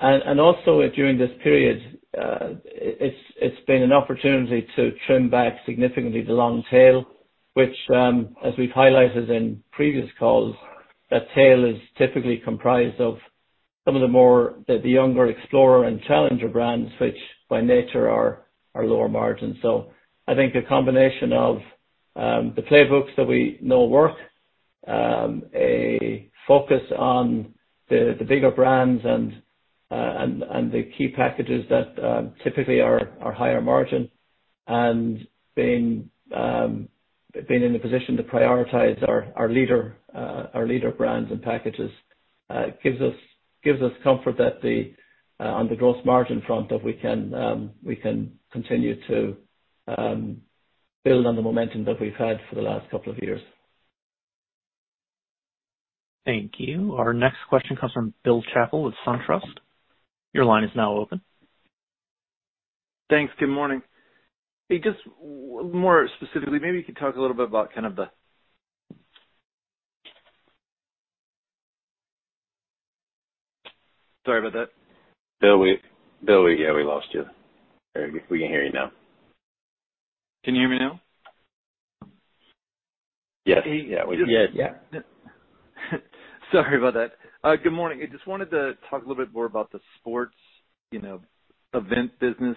Also during this period, it's been an opportunity to trim back significantly the long tail, which, as we've highlighted in previous calls, that tail is typically comprised of some of the younger explorer and challenger brands, which by nature are lower margin. I think a combination of the playbooks that we know work. A focus on the bigger brands and the key packages that typically are higher margin, and being in a position to prioritize our leader brands and packages gives us comfort that on the gross margin front, that we can continue to build on the momentum that we've had for the last couple of years. Thank you. Our next question comes from Bill Chappell with SunTrust. Your line is now open. Thanks. Good morning. Just more specifically, maybe you could talk a little bit about kind of the. Sorry about that. Bill, yeah, we lost you. There we go. We can hear you now. Can you hear me now? Yes. Yeah, we can. Sorry about that. Good morning. I just wanted to talk a little bit more about the sports event business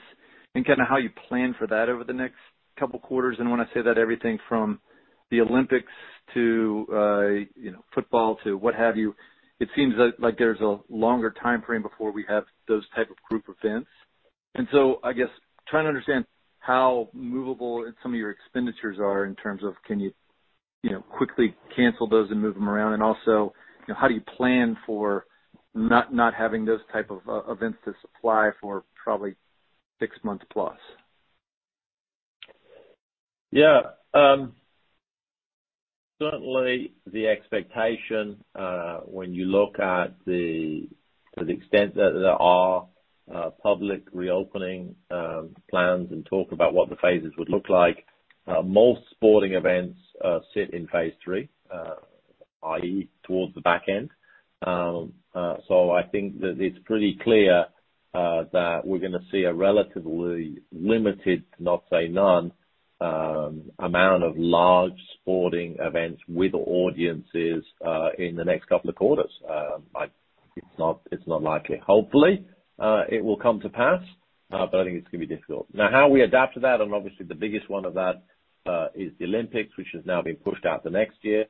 and how you plan for that over the next couple of quarters. When I say that, everything from the Olympics to football to what have you. It seems like there's a longer timeframe before we have those type of group events. I guess trying to understand how movable some of your expenditures are in terms of can you quickly cancel those and move them around? Also, how do you plan for not having those type of events to supply for probably six months plus? The expectation, when you look at the extent that there are public reopening plans and talk about what the phases would look like, most sporting events sit in phase III. i.e., towards the back end. I think that it's pretty clear that we're going to see a relatively limited, to not say none, amount of large sporting events with audiences in the next couple of quarters. It's not likely. Hopefully, it will come to pass, but I think it's going to be difficult. How we adapt to that, and obviously the biggest one of that is the Olympics, which has now been pushed out to next year.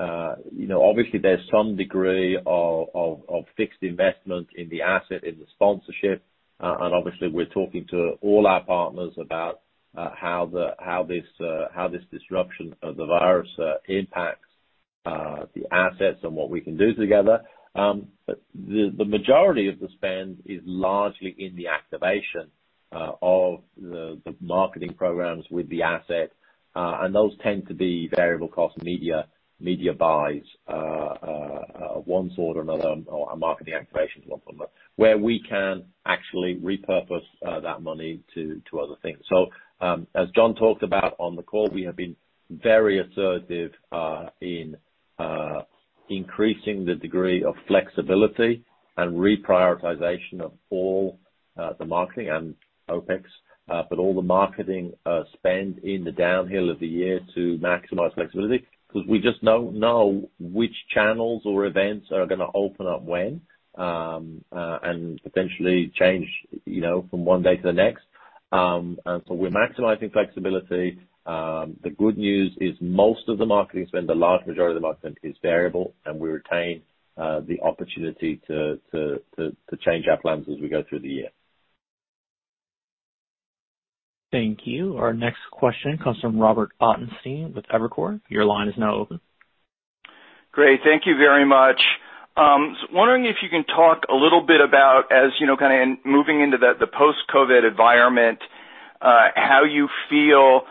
Obviously, there's some degree of fixed investment in the asset, in the sponsorship. Obviously, we're talking to all our partners about how this disruption of the virus impacts the assets and what we can do together. The majority of the spend is largely in the activation of the marketing programs with the asset. Those tend to be variable cost media buys of one sort or another, or marketing activations, where we can actually repurpose that money to other things. As John talked about on the call, we have been very assertive in increasing the degree of flexibility and reprioritization of all the marketing and OpEx. All the marketing spend in the downhill of the year to maximize flexibility, because we just don't know which channels or events are going to open up when. Potentially change from one day to the next. We're maximizing flexibility. The good news is, most of the marketing spend, the large majority of the marketing spend is variable, and we retain the opportunity to change our plans as we go through the year. Thank you. Our next question comes from Robert Ottenstein with Evercore. Your line is now open. Great. Thank you very much. I was wondering if you can talk a little bit about, as moving into the post-COVID environment, how you feel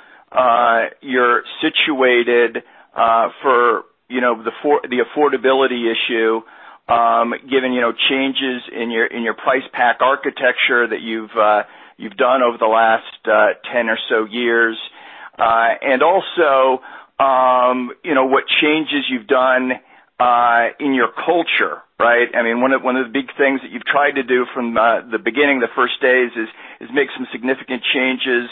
you're situated for the affordability issue, given changes in your price pack architecture that you've done over the last 10 or so years. What changes you've done in your culture, right? One of the big things that you've tried to do from the beginning, the first days, is make some significant changes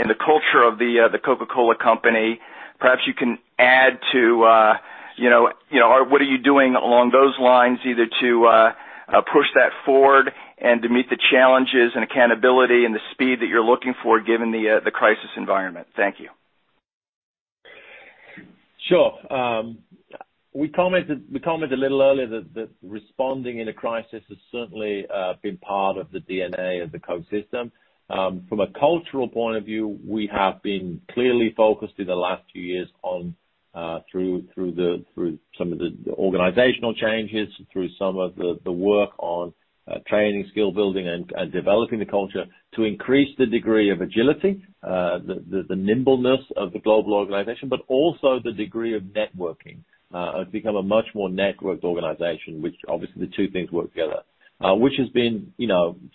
in the culture of The Coca-Cola Company. Perhaps you can add to what are you doing along those lines, either to push that forward and to meet the challenges and accountability and the speed that you're looking for, given the crisis environment. Thank you. Sure. We commented a little earlier that responding in a crisis has certainly been part of the DNA of the Coke system. From a cultural point of view, we have been clearly focused in the last few years on through some of the organizational changes, through some of the work on training, skill building, and developing the culture to increase the degree of agility, the nimbleness of the global organization, but also the degree of networking. It's become a much more networked organization, which obviously the two things work together. Which has been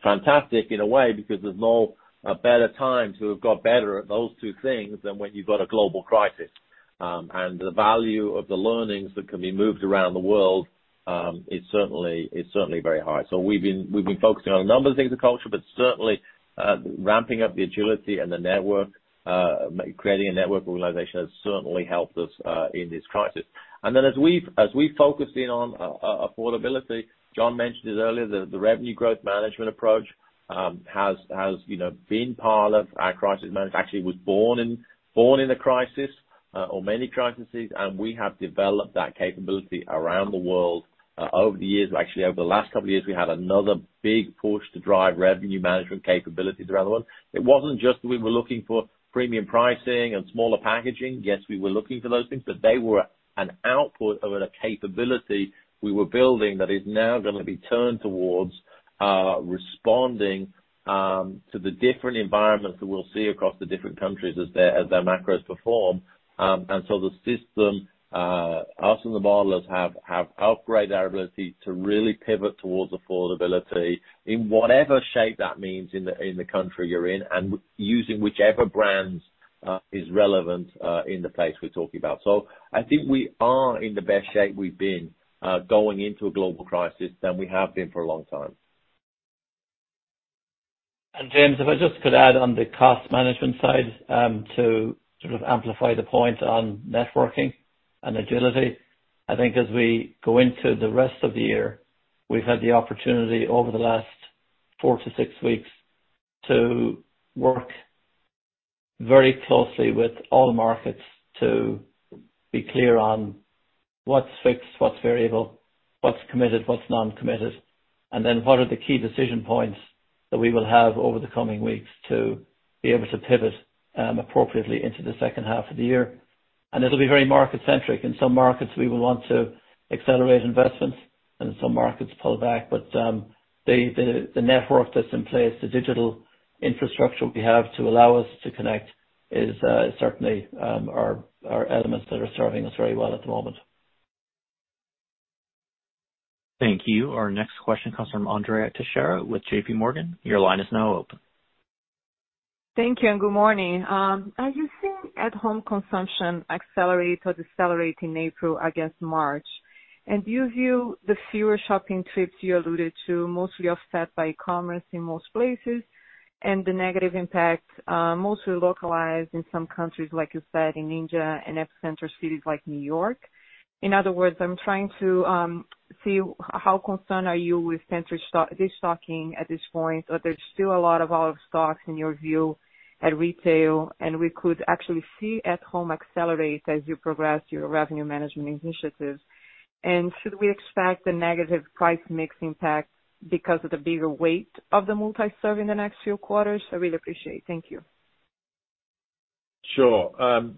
fantastic in a way because there's no better time to have got better at those two things than when you've got a global crisis. The value of the learnings that can be moved around the world is certainly very high. We've been focusing on a number of things with culture, but certainly ramping up the agility and the network, creating a network organization has certainly helped us in this crisis. As we focus in on affordability, John mentioned this earlier, the revenue growth management approach has been part of our crisis management. Actually, it was born in a crisis or many crises, and we have developed that capability around the world over the years. Actually, over the last couple of years, we had another big push to drive revenue management capabilities around the world. It wasn't just that we were looking for premium pricing and smaller packaging. Yes, we were looking for those things, they were an output of a capability we were building that is now going to be turned towards responding to the different environments that we'll see across the different countries as their macros perform. The system, us and the modelers have upgraded our ability to really pivot towards affordability in whatever shape that means in the country you're in and using whichever brands is relevant in the place we are talking about. I think we are in the best shape we've been going into a global crisis than we have been for a long time. James, if I just could add on the cost management side, to sort of amplify the point on networking and agility. I think as we go into the rest of the year, we've had the opportunity over the last four to six weeks to work very closely with all markets to be clear on what's fixed, what's variable, what's committed, what's non-committed, then what are the key decision points that we will have over the coming weeks to be able to pivot appropriately into the second half of the year. It'll be very market-centric. In some markets, we will want to accelerate investments, and in some markets pull back. The network that's in place, the digital infrastructure we have to allow us to connect is certainly our elements that are serving us very well at the moment. Thank you. Our next question comes from Andrea Teixeira with JPMorgan. Your line is now open. Thank you, and good morning. Are you seeing at-home consumption accelerate or decelerate in April against March? Do you view the fewer shopping trips you alluded to mostly offset by e-commerce in most places and the negative impact mostly localized in some countries, like you said, in India and epicenter cities like New York? In other words, I'm trying to see how concerned are you with centric de-stocking at this point, or there's still a lot of old stocks in your view at retail, and we could actually see at-home accelerate as you progress your revenue management initiatives? Should we expect a negative price mix impact because of the bigger weight of the multi-serve in the next few quarters? I really appreciate it. Thank you. Sure.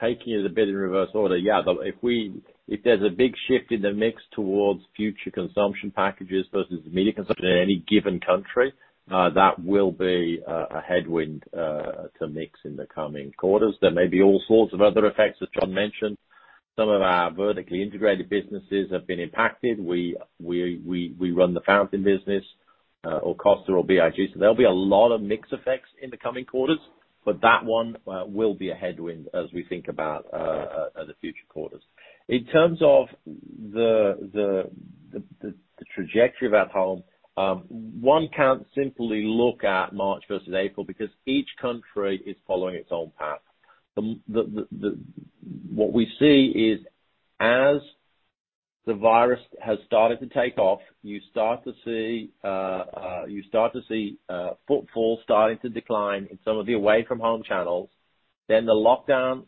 Taking it a bit in reverse order. If there's a big shift in the mix towards future consumption packages versus immediate consumption in any given country, that will be a headwind to mix in the coming quarters. There may be all sorts of other effects that John mentioned. Some of our vertically integrated businesses have been impacted. We run the fountain business or Costa or BIG. There'll be a lot of mix effects in the coming quarters, but that one will be a headwind as we think about the future quarters. In terms of the trajectory of at home, one can't simply look at March versus April because each country is following its own path. What we see is as the virus has started to take off, you start to see footfall starting to decline in some of the away-from-home channels. The lockdown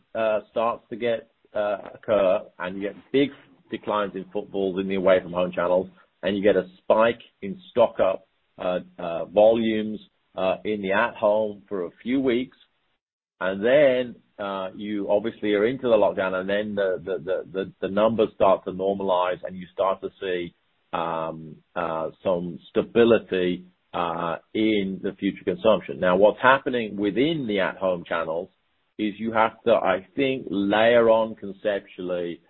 starts to occur, and you get big declines in footfall in the away-from-home channels, and you get a spike in stock-up volumes in the at-home for a few weeks. You obviously are into the lockdown, and then the numbers start to normalize, and you start to see some stability in the future consumption. Now, what's happening within the at-home channels is you have to, I think, layer on conceptually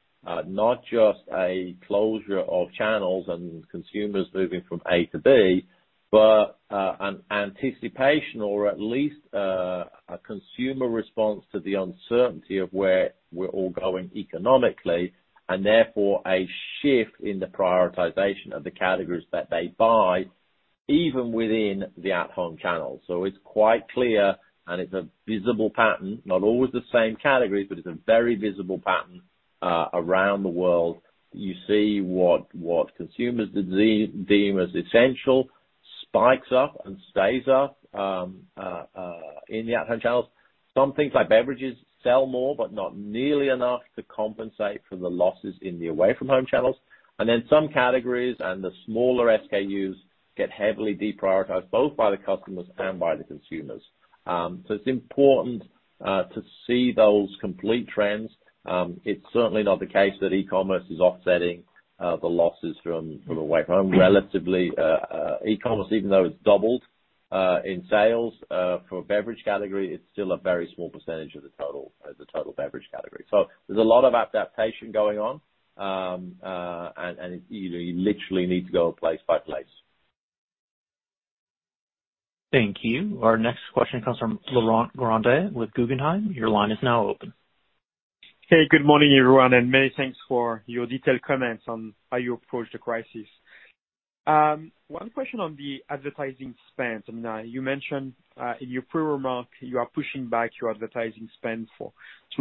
not just a closure of channels and consumers moving from A to B, but an anticipation or at least a consumer response to the uncertainty of where we are all going economically, and therefore a shift in the prioritization of the categories that they buy, even within the at-home channel. It's quite clear, and it's a visible pattern, not always the same categories, but it's a very visible pattern around the world. You see what consumers deem as essential spikes up and stays up in the at-home channels. Some things like beverages sell more, not nearly enough to compensate for the losses in the away-from-home channels. Some categories and the smaller SKUs get heavily deprioritized, both by the customers and by the consumers. It's important to see those complete trends. It's certainly not the case that e-commerce is offsetting the losses from away from home relatively. e-commerce, even though it's doubled in sales for beverage category, it's still a very small percentage of the total beverage category. There's a lot of adaptation going on, and you literally need to go place by place. Thank you. Our next question comes from Laurent Grandet with Guggenheim. Your line is now open. Good morning, everyone. Many thanks for your detailed comments on how you approach the crisis. One question on the advertising spend. You mentioned in your pre-remark you are pushing back your advertising spend to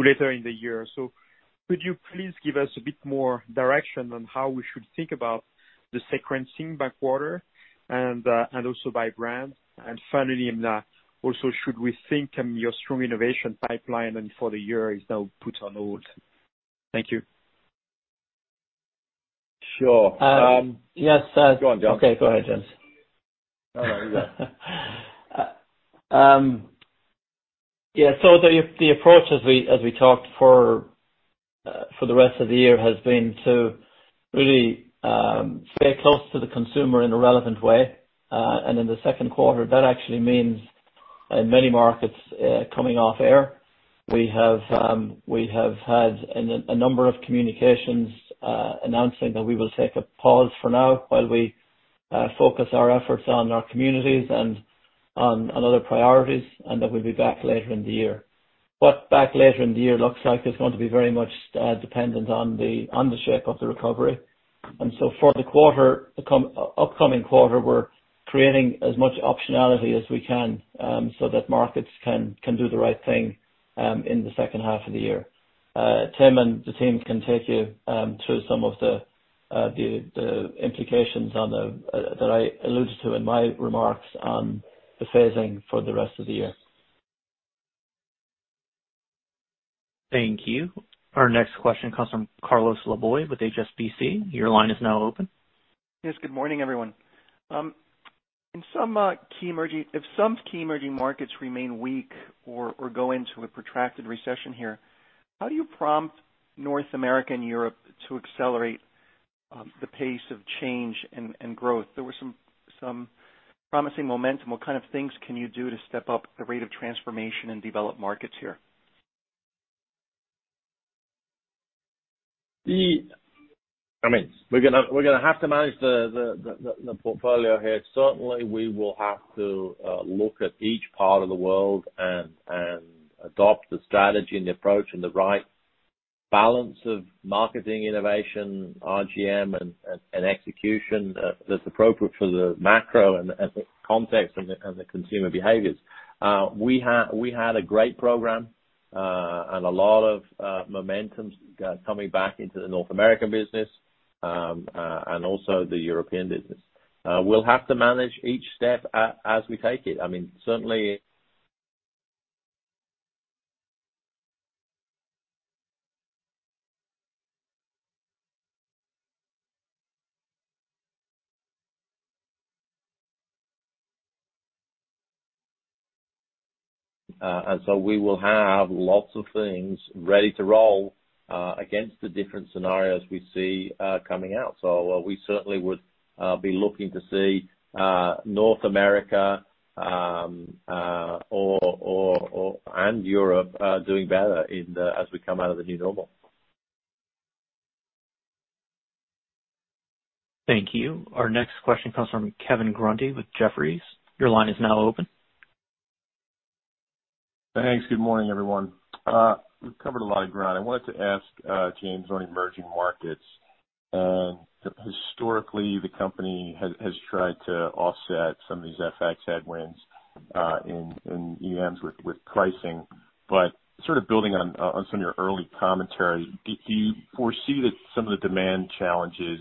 later in the year. Could you please give us a bit more direction on how we should think about the sequencing by quarter and also by brand? Finally, also, should we think your strong innovation pipeline and for the year is now put on hold? Thank you. Sure. Yes. Go on, John Okay, go ahead, James. All right. Yeah. The approach as we talked for the rest of the year has been to really stay close to the consumer in a relevant way. In the second quarter, that actually means in many markets, coming off air. We have had a number of communications announcing that we will take a pause for now while we focus our efforts on our communities and on other priorities, and that we'll be back later in the year. Back later in the year looks like it's going to be very much dependent on the shape of the recovery. For the upcoming quarter, we're creating as much optionality as we can so that markets can do the right thing in the second half of the year. Tim and the team can take you through some of the implications that I alluded to in my remarks on the phasing for the rest of the year. Thank you. Our next question comes from Carlos Laboy with HSBC. Your line is now open. Yes. Good morning, everyone. If some key emerging markets remain weak or go into a protracted recession here, how do you prompt North America and Europe to accelerate the pace of change and growth? There was some promising momentum. What kind of things can you do to step up the rate of transformation in developed markets here? We're going to have to manage the portfolio here. Certainly, we will have to look at each part of the world and adopt the strategy and the approach and the right balance of marketing, innovation, RGM and execution that's appropriate for the macro and the context and the consumer behaviors. We had a great program, and a lot of momentum coming back into the North American business, and also the European business. We'll have to manage each step as we take it. Certainly we will have lots of things ready to roll against the different scenarios we see coming out. We certainly would be looking to see North America and Europe doing better as we come out of the new normal. Thank you. Our next question comes from Kevin Grundy with Jefferies. Your line is now open. Thanks. Good morning, everyone. We've covered a lot of ground. I wanted to ask James on emerging markets. Historically, the company has tried to offset some of these FX headwinds in EMs with pricing. Sort of building on some of your early commentary, do you foresee that some of the demand challenges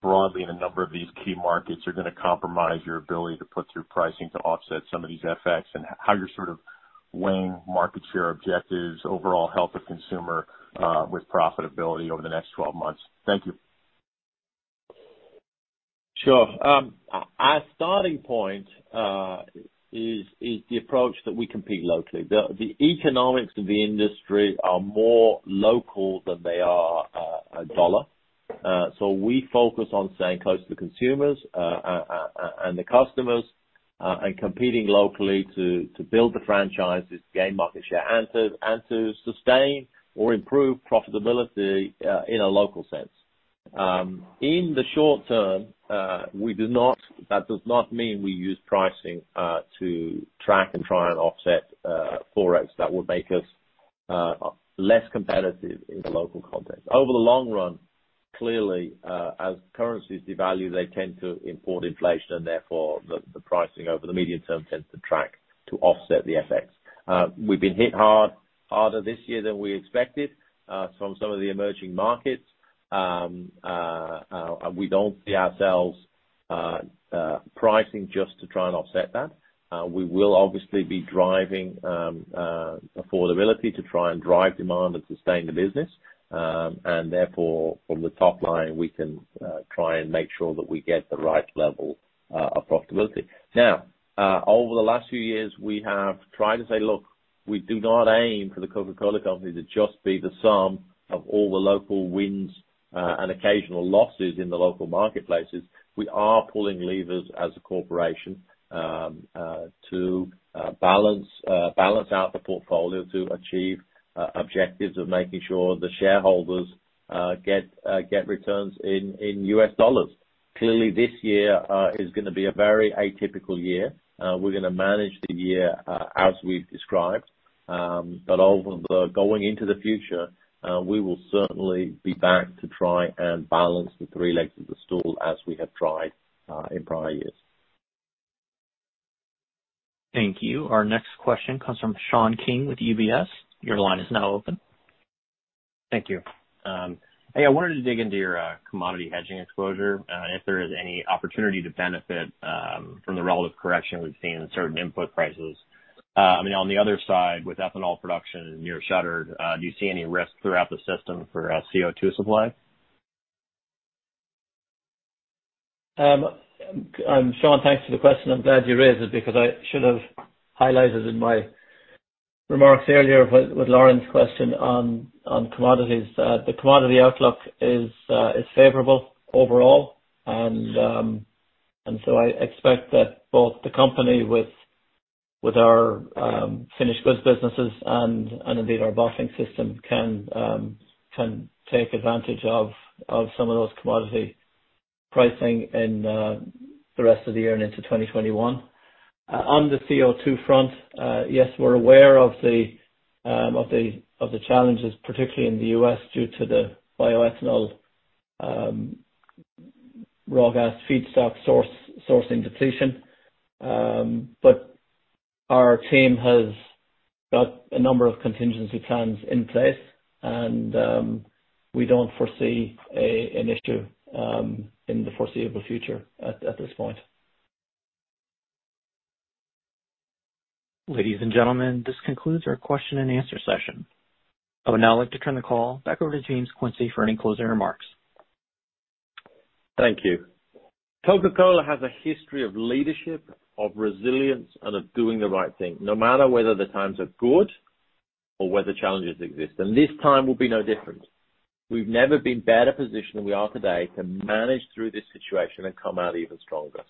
broadly in a number of these key markets are going to compromise your ability to put through pricing to offset some of these FX, and how you're sort of weighing market share objectives, overall health of consumer, with profitability over the next 12 months? Thank you. Sure. Our starting point is the approach that we compete locally. The economics of the industry are more local than they are dollar. We focus on staying close to the consumers, and the customers, and competing locally to build the franchises, gain market share, and to sustain or improve profitability in a local sense. In the short term, that does not mean we use pricing to track and try and offset FOREX that would make us less competitive in the local context. Over the long run, clearly, as currencies devalue, they tend to import inflation, and therefore, the pricing over the medium term tends to track to offset the FX. We've been hit harder this year than we expected from some of the emerging markets. We don't see ourselves pricing just to try and offset that. We will obviously be driving affordability to try and drive demand and sustain the business. Therefore, from the top line, we can try and make sure that we get the right level of profitability. Now, over the last few years, we have tried to say, look, we do not aim for The Coca-Cola Company to just be the sum of all the local wins, and occasional losses in the local marketplaces. We are pulling levers as a corporation to balance out the portfolio to achieve objectives of making sure the shareholders get returns in US dollars. Clearly, this year is going to be a very atypical year. We're going to manage the year as we've described. Going into the future, we will certainly be back to try and balance the three legs of the stool as we have tried in prior years. Thank you. Our next question comes from Sean King with UBS. Your line is now open. Thank you. Hey, I wanted to dig into your commodity hedging exposure, and if there is any opportunity to benefit from the relative correction we've seen in certain input prices. On the other side, with ethanol production near shuttered, do you see any risk throughout the system for CO2 supply? Sean, thanks for the question. I'm glad you raised it because I should have highlighted in my remarks earlier with Lauren's question on commodities. The commodity outlook is favorable overall. I expect that both the company with our finished goods businesses and indeed our bottling system can take advantage of some of those commodity pricing in the rest of the year and into 2021. On the CO2 front, yes, we're aware of the challenges, particularly in the U.S., due to the bioethanol raw gas feedstock sourcing depletion. Our team has got a number of contingency plans in place, and we don't foresee an issue in the foreseeable future at this point. Ladies and gentlemen, this concludes our question and answer session. I would now like to turn the call back over to James Quincey for any closing remarks. Thank you. Coca-Cola has a history of leadership, of resilience, and of doing the right thing, no matter whether the times are good or whether challenges exist. This time will be no different. We've never been better positioned than we are today to manage through this situation and come out even stronger.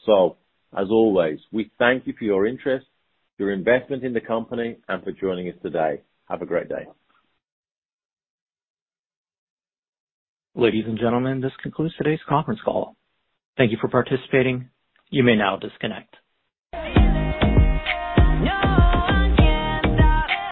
As always, we thank you for your interest, your investment in the company, and for joining us today. Have a great day. Ladies and gentlemen, this concludes today's conference call. Thank you for participating. You may now disconnect.